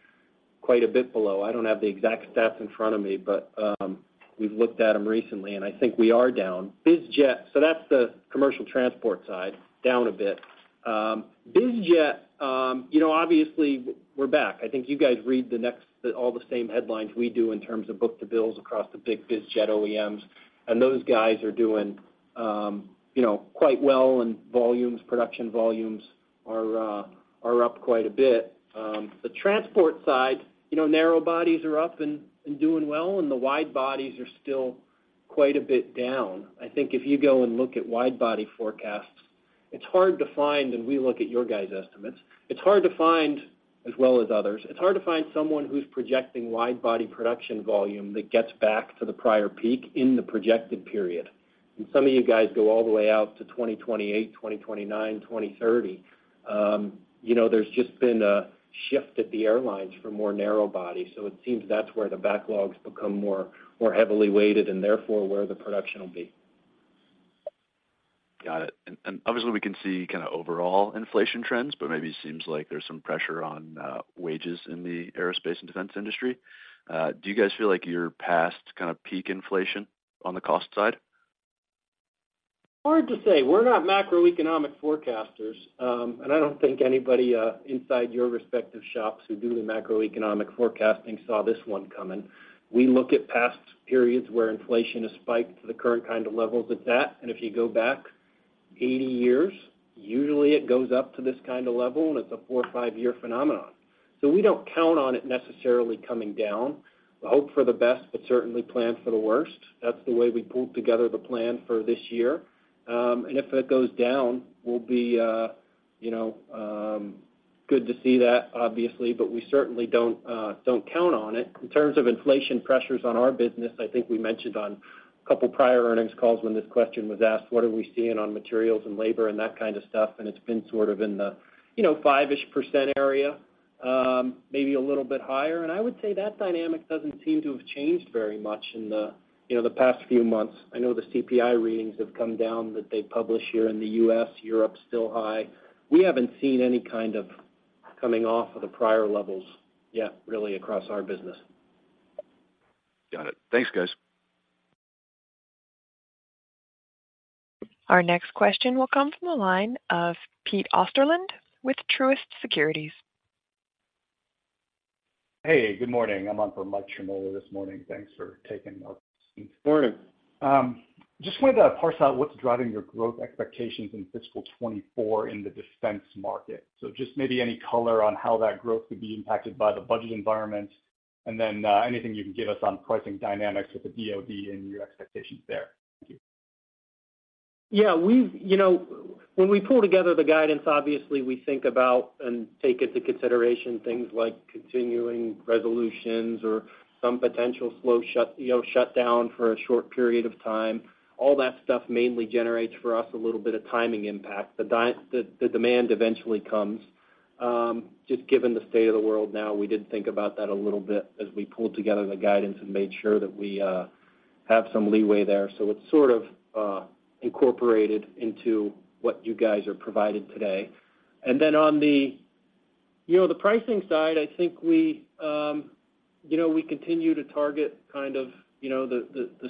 quite a bit below. I don't have the exact stats in front of me, but, we've looked at them recently, and I think we are down. BizJet, so that's the commercial transport side, down a bit. BizJet, you know, obviously, we're back. I think you guys read all the same headlines we do in terms of book-to-bills across the big BizJet OEMs, and those guys are doing, you know, quite well, and volumes, production volumes are up quite a bit. The transport side, you know, narrow bodies are up and doing well, and the wide bodies are still quite a bit down. I think if you go and look at wide body forecasts, it's hard to find, and we look at your guys' estimates. It's hard to find, as well as others. It's hard to find someone who's projecting wide body production volume that gets back to the prior peak in the projected period. And some of you guys go all the way out to 2028, 2029, 2030. You know, there's just been a shift at the airlines for more narrow body, so it seems that's where the backlogs become more, more heavily weighted and therefore, where the production will be. Got it. And obviously, we can see kind of overall inflation trends, but maybe it seems like there's some pressure on wages in the aerospace and defense industry. Do you guys feel like you're past kind of peak inflation on the cost side? Hard to say. We're not macroeconomic forecasters, and I don't think anybody inside your respective shops who do the macroeconomic forecasting saw this one coming. We look at past periods where inflation has spiked to the current kind of levels it's at, and if you go back 80 years, usually it goes up to this kind of level, and it's a four or five-year phenomenon. So we don't count on it necessarily coming down. We hope for the best, but certainly plan for the worst. That's the way we pulled together the plan for this year. And if it goes down, we'll be, you know, good to see that, obviously, but we certainly don't don't count on it. In terms of inflation pressures on our business, I think we mentioned on a couple of prior earnings calls when this question was asked, what are we seeing on materials and labor and that kind of stuff, and it's been sort of in the, you know, 5%-ish area, maybe a little bit higher. I would say that dynamic doesn't seem to have changed very much in the, you know, the past few months. I know the CPI readings have come down, that they publish here in the U.S., Europe, still high. We haven't seen any kind of coming off of the prior levels yet, really, across our business. Got it. Thanks, guys. Our next question will come from the line of Pete Osterland with Truist Securities. Hey, good morning. I'm on for Mike Ciarmoli this morning. Thanks for taking notes. Morning. Just wanted to parse out what's driving your growth expectations in fiscal 2024 in the defense market. So just maybe any color on how that growth could be impacted by the budget environment, and then, anything you can give us on pricing dynamics with the DOD and your expectations there. Thank you. Yeah, we've, you know, when we pull together the guidance, obviously, we think about and take into consideration things like continuing resolutions or some potential slow shut, you know, shutdown for a short period of time. All that stuff mainly generates for us a little bit of timing impact. The demand eventually comes. Just given the state of the world now, we did think about that a little bit as we pulled together the guidance and made sure that we have some leeway there. So it's sort of incorporated into what you guys are provided today. Then on the, you know, the pricing side, I think we, you know, we continue to target kind of, you know, the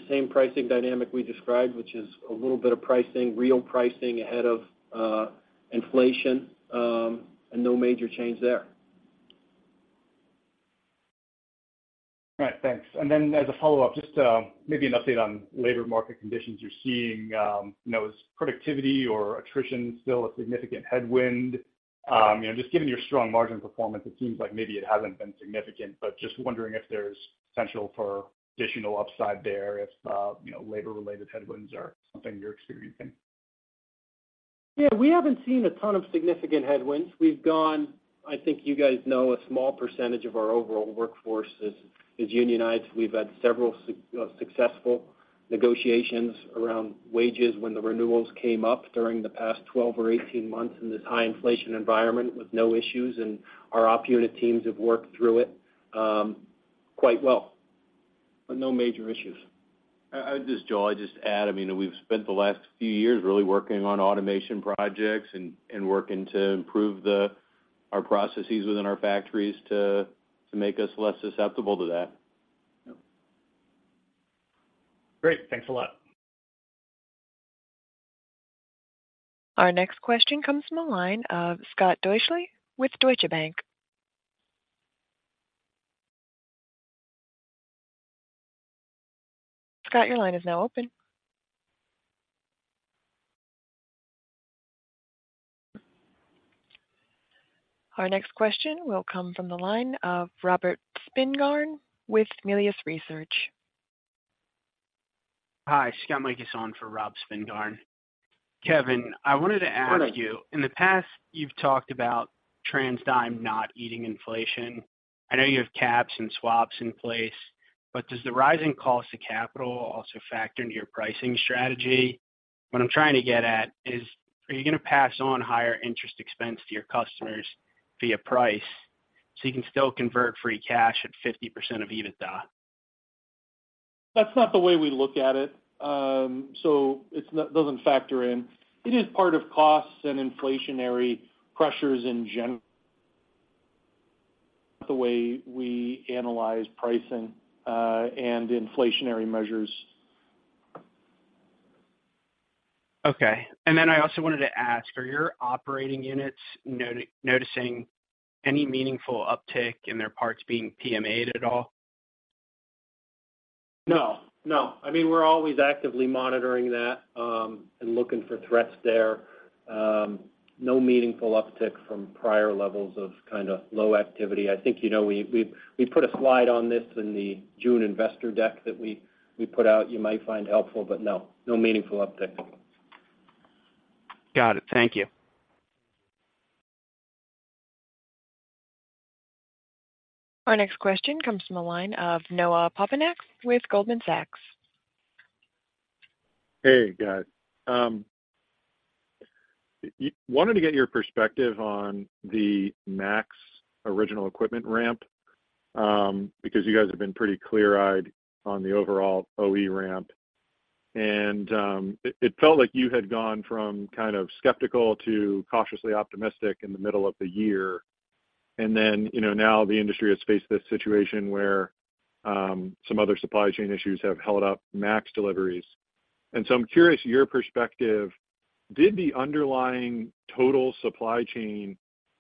same pricing dynamic we described, which is a little bit of pricing, real pricing ahead of inflation, and no major change there. All right, thanks. And then as a follow-up, just, maybe an update on labor market conditions you're seeing, you know, is productivity or attrition still a significant headwind? You know, just given your strong margin performance, it seems like maybe it hasn't been significant, but just wondering if there's potential for additional upside there, if, you know, labor-related headwinds are something you're experiencing. Yeah, we haven't seen a ton of significant headwinds. We've gone... I think you guys know, a small percentage of our overall workforce is unionized. We've had several successful negotiations around wages when the renewals came up during the past 12 or 18 months in this high inflation environment with no issues, and our op unit teams have worked through it quite well. But no major issues. Just Joel, I'd just add, I mean, we've spent the last few years really working on automation projects and working to improve our processes within our factories to make us less susceptible to that. Great. Thanks a lot. Our next question comes from the line of Scott Deuschle with Deutsche Bank. Scott, your line is now open. Our next question will come from the line of Robert Spingarn with Melius Research. Hi, Scott Mikus is on for Rob Spingarn. Kevin, I wanted to ask you- Morning. In the past, you've talked about TransDigm not eating inflation... I know you have caps and swaps in place, but does the rising cost to capital also factor into your pricing strategy? What I'm trying to get at is, are you going to pass on higher interest expense to your customers via price, so you can still convert free cash at 50% of EBITDA? That's not the way we look at it. So it doesn't factor in. It is part of costs and inflationary pressures in general, the way we analyze pricing, and inflationary measures. Okay. And then I also wanted to ask, are your operating units noticing any meaningful uptick in their parts being PMA'd at all? No, no. I mean, we're always actively monitoring that, and looking for threats there. No meaningful uptick from prior levels of kind of low activity. I think, you know, we put a slide on this in the June investor deck that we put out, you might find helpful, but no, no meaningful uptick. Got it. Thank you. Our next question comes from the line of Noah Poponak with Goldman Sachs. Hey, guys. Wanted to get your perspective on the MAX original equipment ramp, because you guys have been pretty clear-eyed on the overall OE ramp. And it felt like you had gone from kind of skeptical to cautiously optimistic in the middle of the year. And then, you know, now the industry has faced this situation where some other supply chain issues have held up MAX deliveries. And so I'm curious, your perspective, did the underlying total supply chain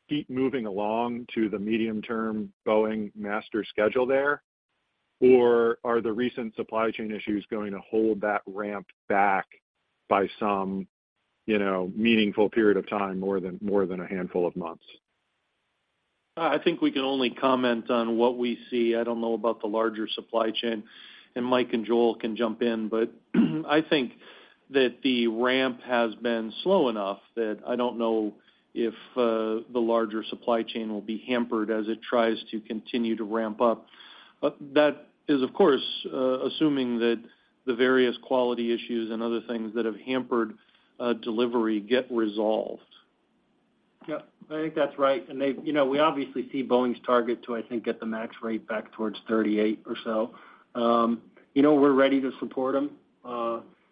keep moving along to the medium-term Boeing master schedule there? Or are the recent supply chain issues going to hold that ramp back by some, you know, meaningful period of time, more than a handful of months? I think we can only comment on what we see. I don't know about the larger supply chain, and Mike and Joel can jump in, but I think that the ramp has been slow enough that I don't know if the larger supply chain will be hampered as it tries to continue to ramp up. But that is, of course, assuming that the various quality issues and other things that have hampered delivery get resolved. Yeah, I think that's right. And they—you know, we obviously see Boeing's target to, I think, get the MAX rate back towards 38 or so. You know, we're ready to support them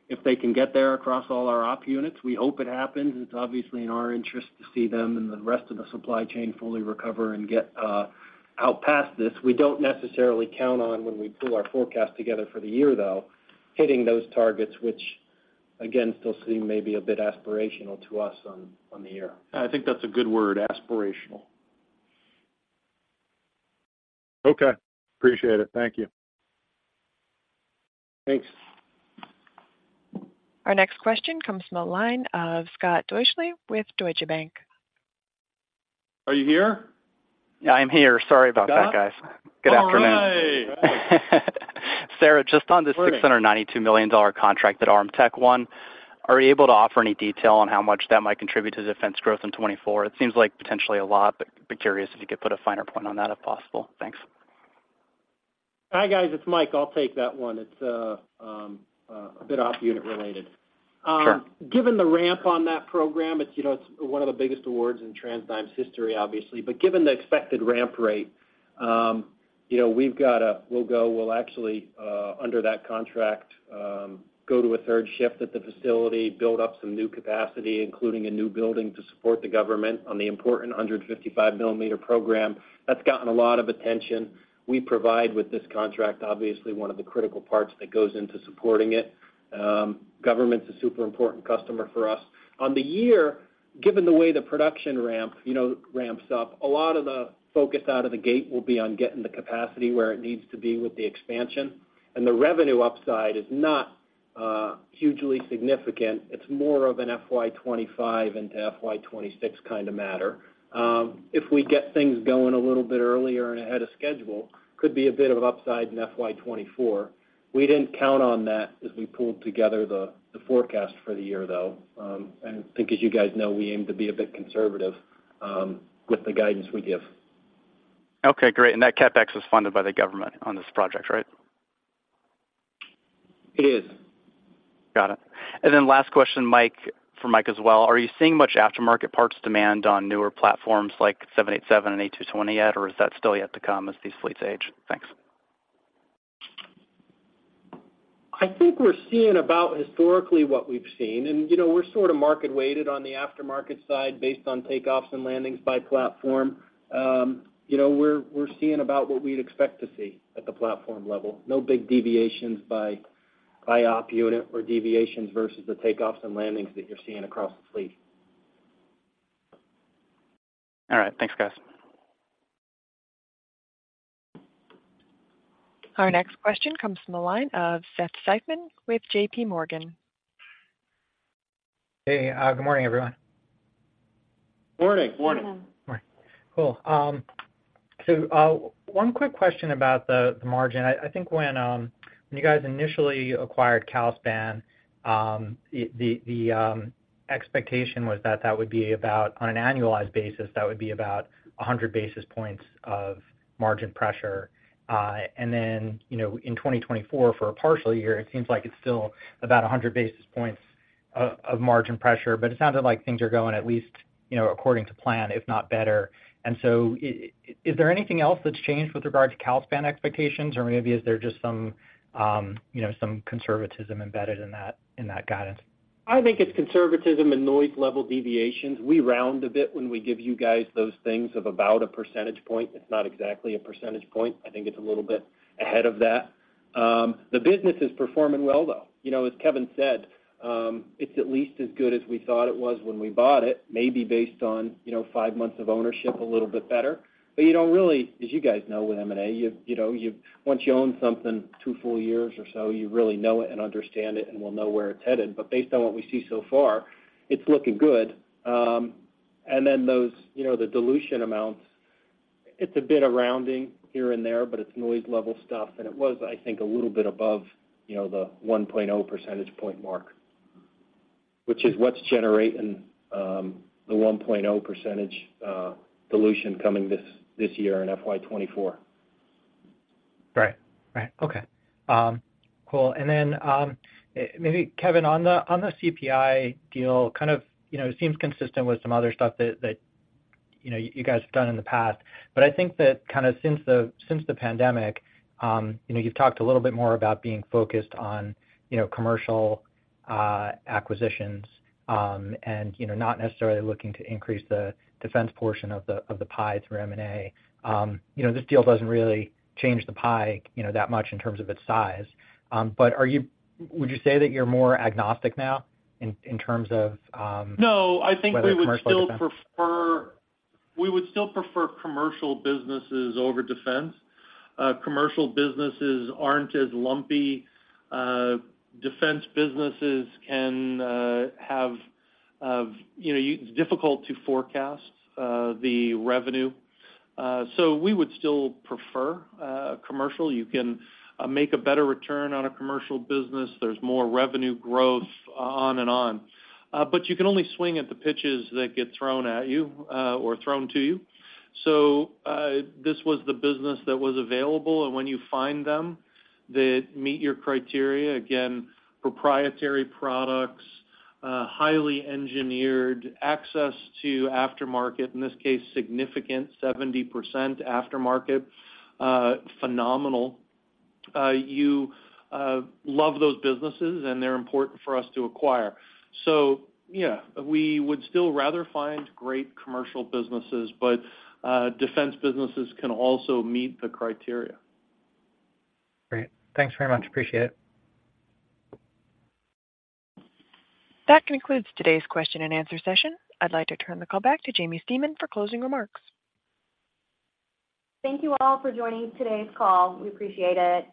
if they can get there across all our op units. We hope it happens. It's obviously in our interest to see them and the rest of the supply chain fully recover and get out past this. We don't necessarily count on when we pull our forecast together for the year, though, hitting those targets, which again, still seem maybe a bit aspirational to us on the year. I think that's a good word, aspirational. Okay. Appreciate it. Thank you. Thanks. Our next question comes from the line of Scott Deuschle with Deutsche Bank. Are you here? Yeah, I'm here. Sorry about that, guys. Scott? Good afternoon. All right! Sarah, just on this $692 million contract that Armtec won, are you able to offer any detail on how much that might contribute to defense growth in 2024? It seems like potentially a lot, but curious if you could put a finer point on that, if possible. Thanks. Hi, guys, it's Mike. I'll take that one. It's a bit operating unit related. Sure. Given the ramp on that program, it's, you know, it's one of the biggest awards in TransDigm's history, obviously. But given the expected ramp rate, you know, we'll go, we'll actually, under that contract, go to a third shift at the facility, build up some new capacity, including a new building, to support the government on the important 155 millimeter program. That's gotten a lot of attention. We provide, with this contract, obviously, one of the critical parts that goes into supporting it. Government's a super important customer for us. On the year, given the way the production ramp, you know, ramps up, a lot of the focus out of the gate will be on getting the capacity where it needs to be with the expansion. And the revenue upside is not hugely significant. It's more of an FY 2025 into FY 2026 kind of matter. If we get things going a little bit earlier and ahead of schedule, could be a bit of an upside in FY 2024. We didn't count on that as we pulled together the forecast for the year, though. And I think as you guys know, we aim to be a bit conservative with the guidance we give. Okay, great. And that CapEx is funded by the government on this project, right? It is. Got it. And then last question, Mike, for Mike as well: Are you seeing much aftermarket parts demand on newer platforms like 787 and A220 yet, or is that still yet to come as these fleets age? Thanks. I think we're seeing about historically what we've seen, and, you know, we're sort of market weighted on the aftermarket side based on takeoffs and landings by platform. You know, we're seeing about what we'd expect to see at the platform level. No big deviations by op unit or deviations versus the takeoffs and landings that you're seeing across the fleet. All right. Thanks, guys. Our next question comes from the line of Seth Seifman with JP Morgan. Hey, good morning, everyone. Morning. Morning. Morning. Morning. Cool. So, one quick question about the margin. I think when you guys initially acquired Calspan, the expectation was that that would be about, on an annualized basis, that would be about 100 basis points of margin pressure. And then, you know, in 2024, for a partial year, it seems like it's still about 100 basis points of margin pressure, but it sounded like things are going at least according to plan, if not better. So is there anything else that's changed with regard to Calspan expectations? Or maybe is there just some conservatism embedded in that guidance? I think it's conservatism and noise level deviations. We round a bit when we give you guys those things of about a percentage point. It's not exactly a percentage point. I think it's a little bit ahead of that. The business is performing well, though. You know, as Kevin said, it's at least as good as we thought it was when we bought it, maybe based on, you know, five months of ownership, a little bit better. But you don't really... As you guys know, with M&A, you know, once you own something two full years or so, you really know it and understand it, and will know where it's headed. But based on what we see so far, it's looking good. And then those, you know, the dilution amounts, it's a bit of rounding here and there, but it's noise-level stuff, and it was, I think, a little bit above, you know, the 1.0 percentage point mark, which is what's generating the 1.0% dilution coming this year in FY 2024. Right. Right. Okay. Cool. And then, maybe Kevin, on the CPI deal, kind of, you know, it seems consistent with some other stuff that, you know, you guys have done in the past. But I think that kinda since the pandemic, you know, you've talked a little bit more about being focused on, you know, commercial acquisitions, and, you know, not necessarily looking to increase the defense portion of the pie through M&A. You know, this deal doesn't really change the pie, you know, that much in terms of its size. But are you-- would you say that you're more agnostic now in terms of, No, I think we would still- commercial or defense?... we would still prefer commercial businesses over defense. Commercial businesses aren't as lumpy. Defense businesses can have, you know, it's difficult to forecast the revenue. So we would still prefer commercial. You can make a better return on a commercial business. There's more revenue growth, on and on. But you can only swing at the pitches that get thrown at you or thrown to you. So this was the business that was available, and when you find them that meet your criteria, again, proprietary products, highly engineered access to aftermarket, in this case, significant, 70% aftermarket, phenomenal. You love those businesses, and they're important for us to acquire. So yeah, we would still rather find great commercial businesses, but defense businesses can also meet the criteria. Great. Thanks very much. Appreciate it. That concludes today's question and answer session. I'd like to turn the call back to Jaimie Stemen for closing remarks. Thank you all for joining today's call. We appreciate it.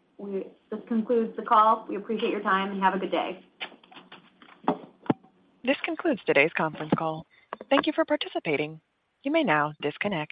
This concludes the call. We appreciate your time, and have a good day. This concludes today's conference call. Thank you for participating. You may now disconnect.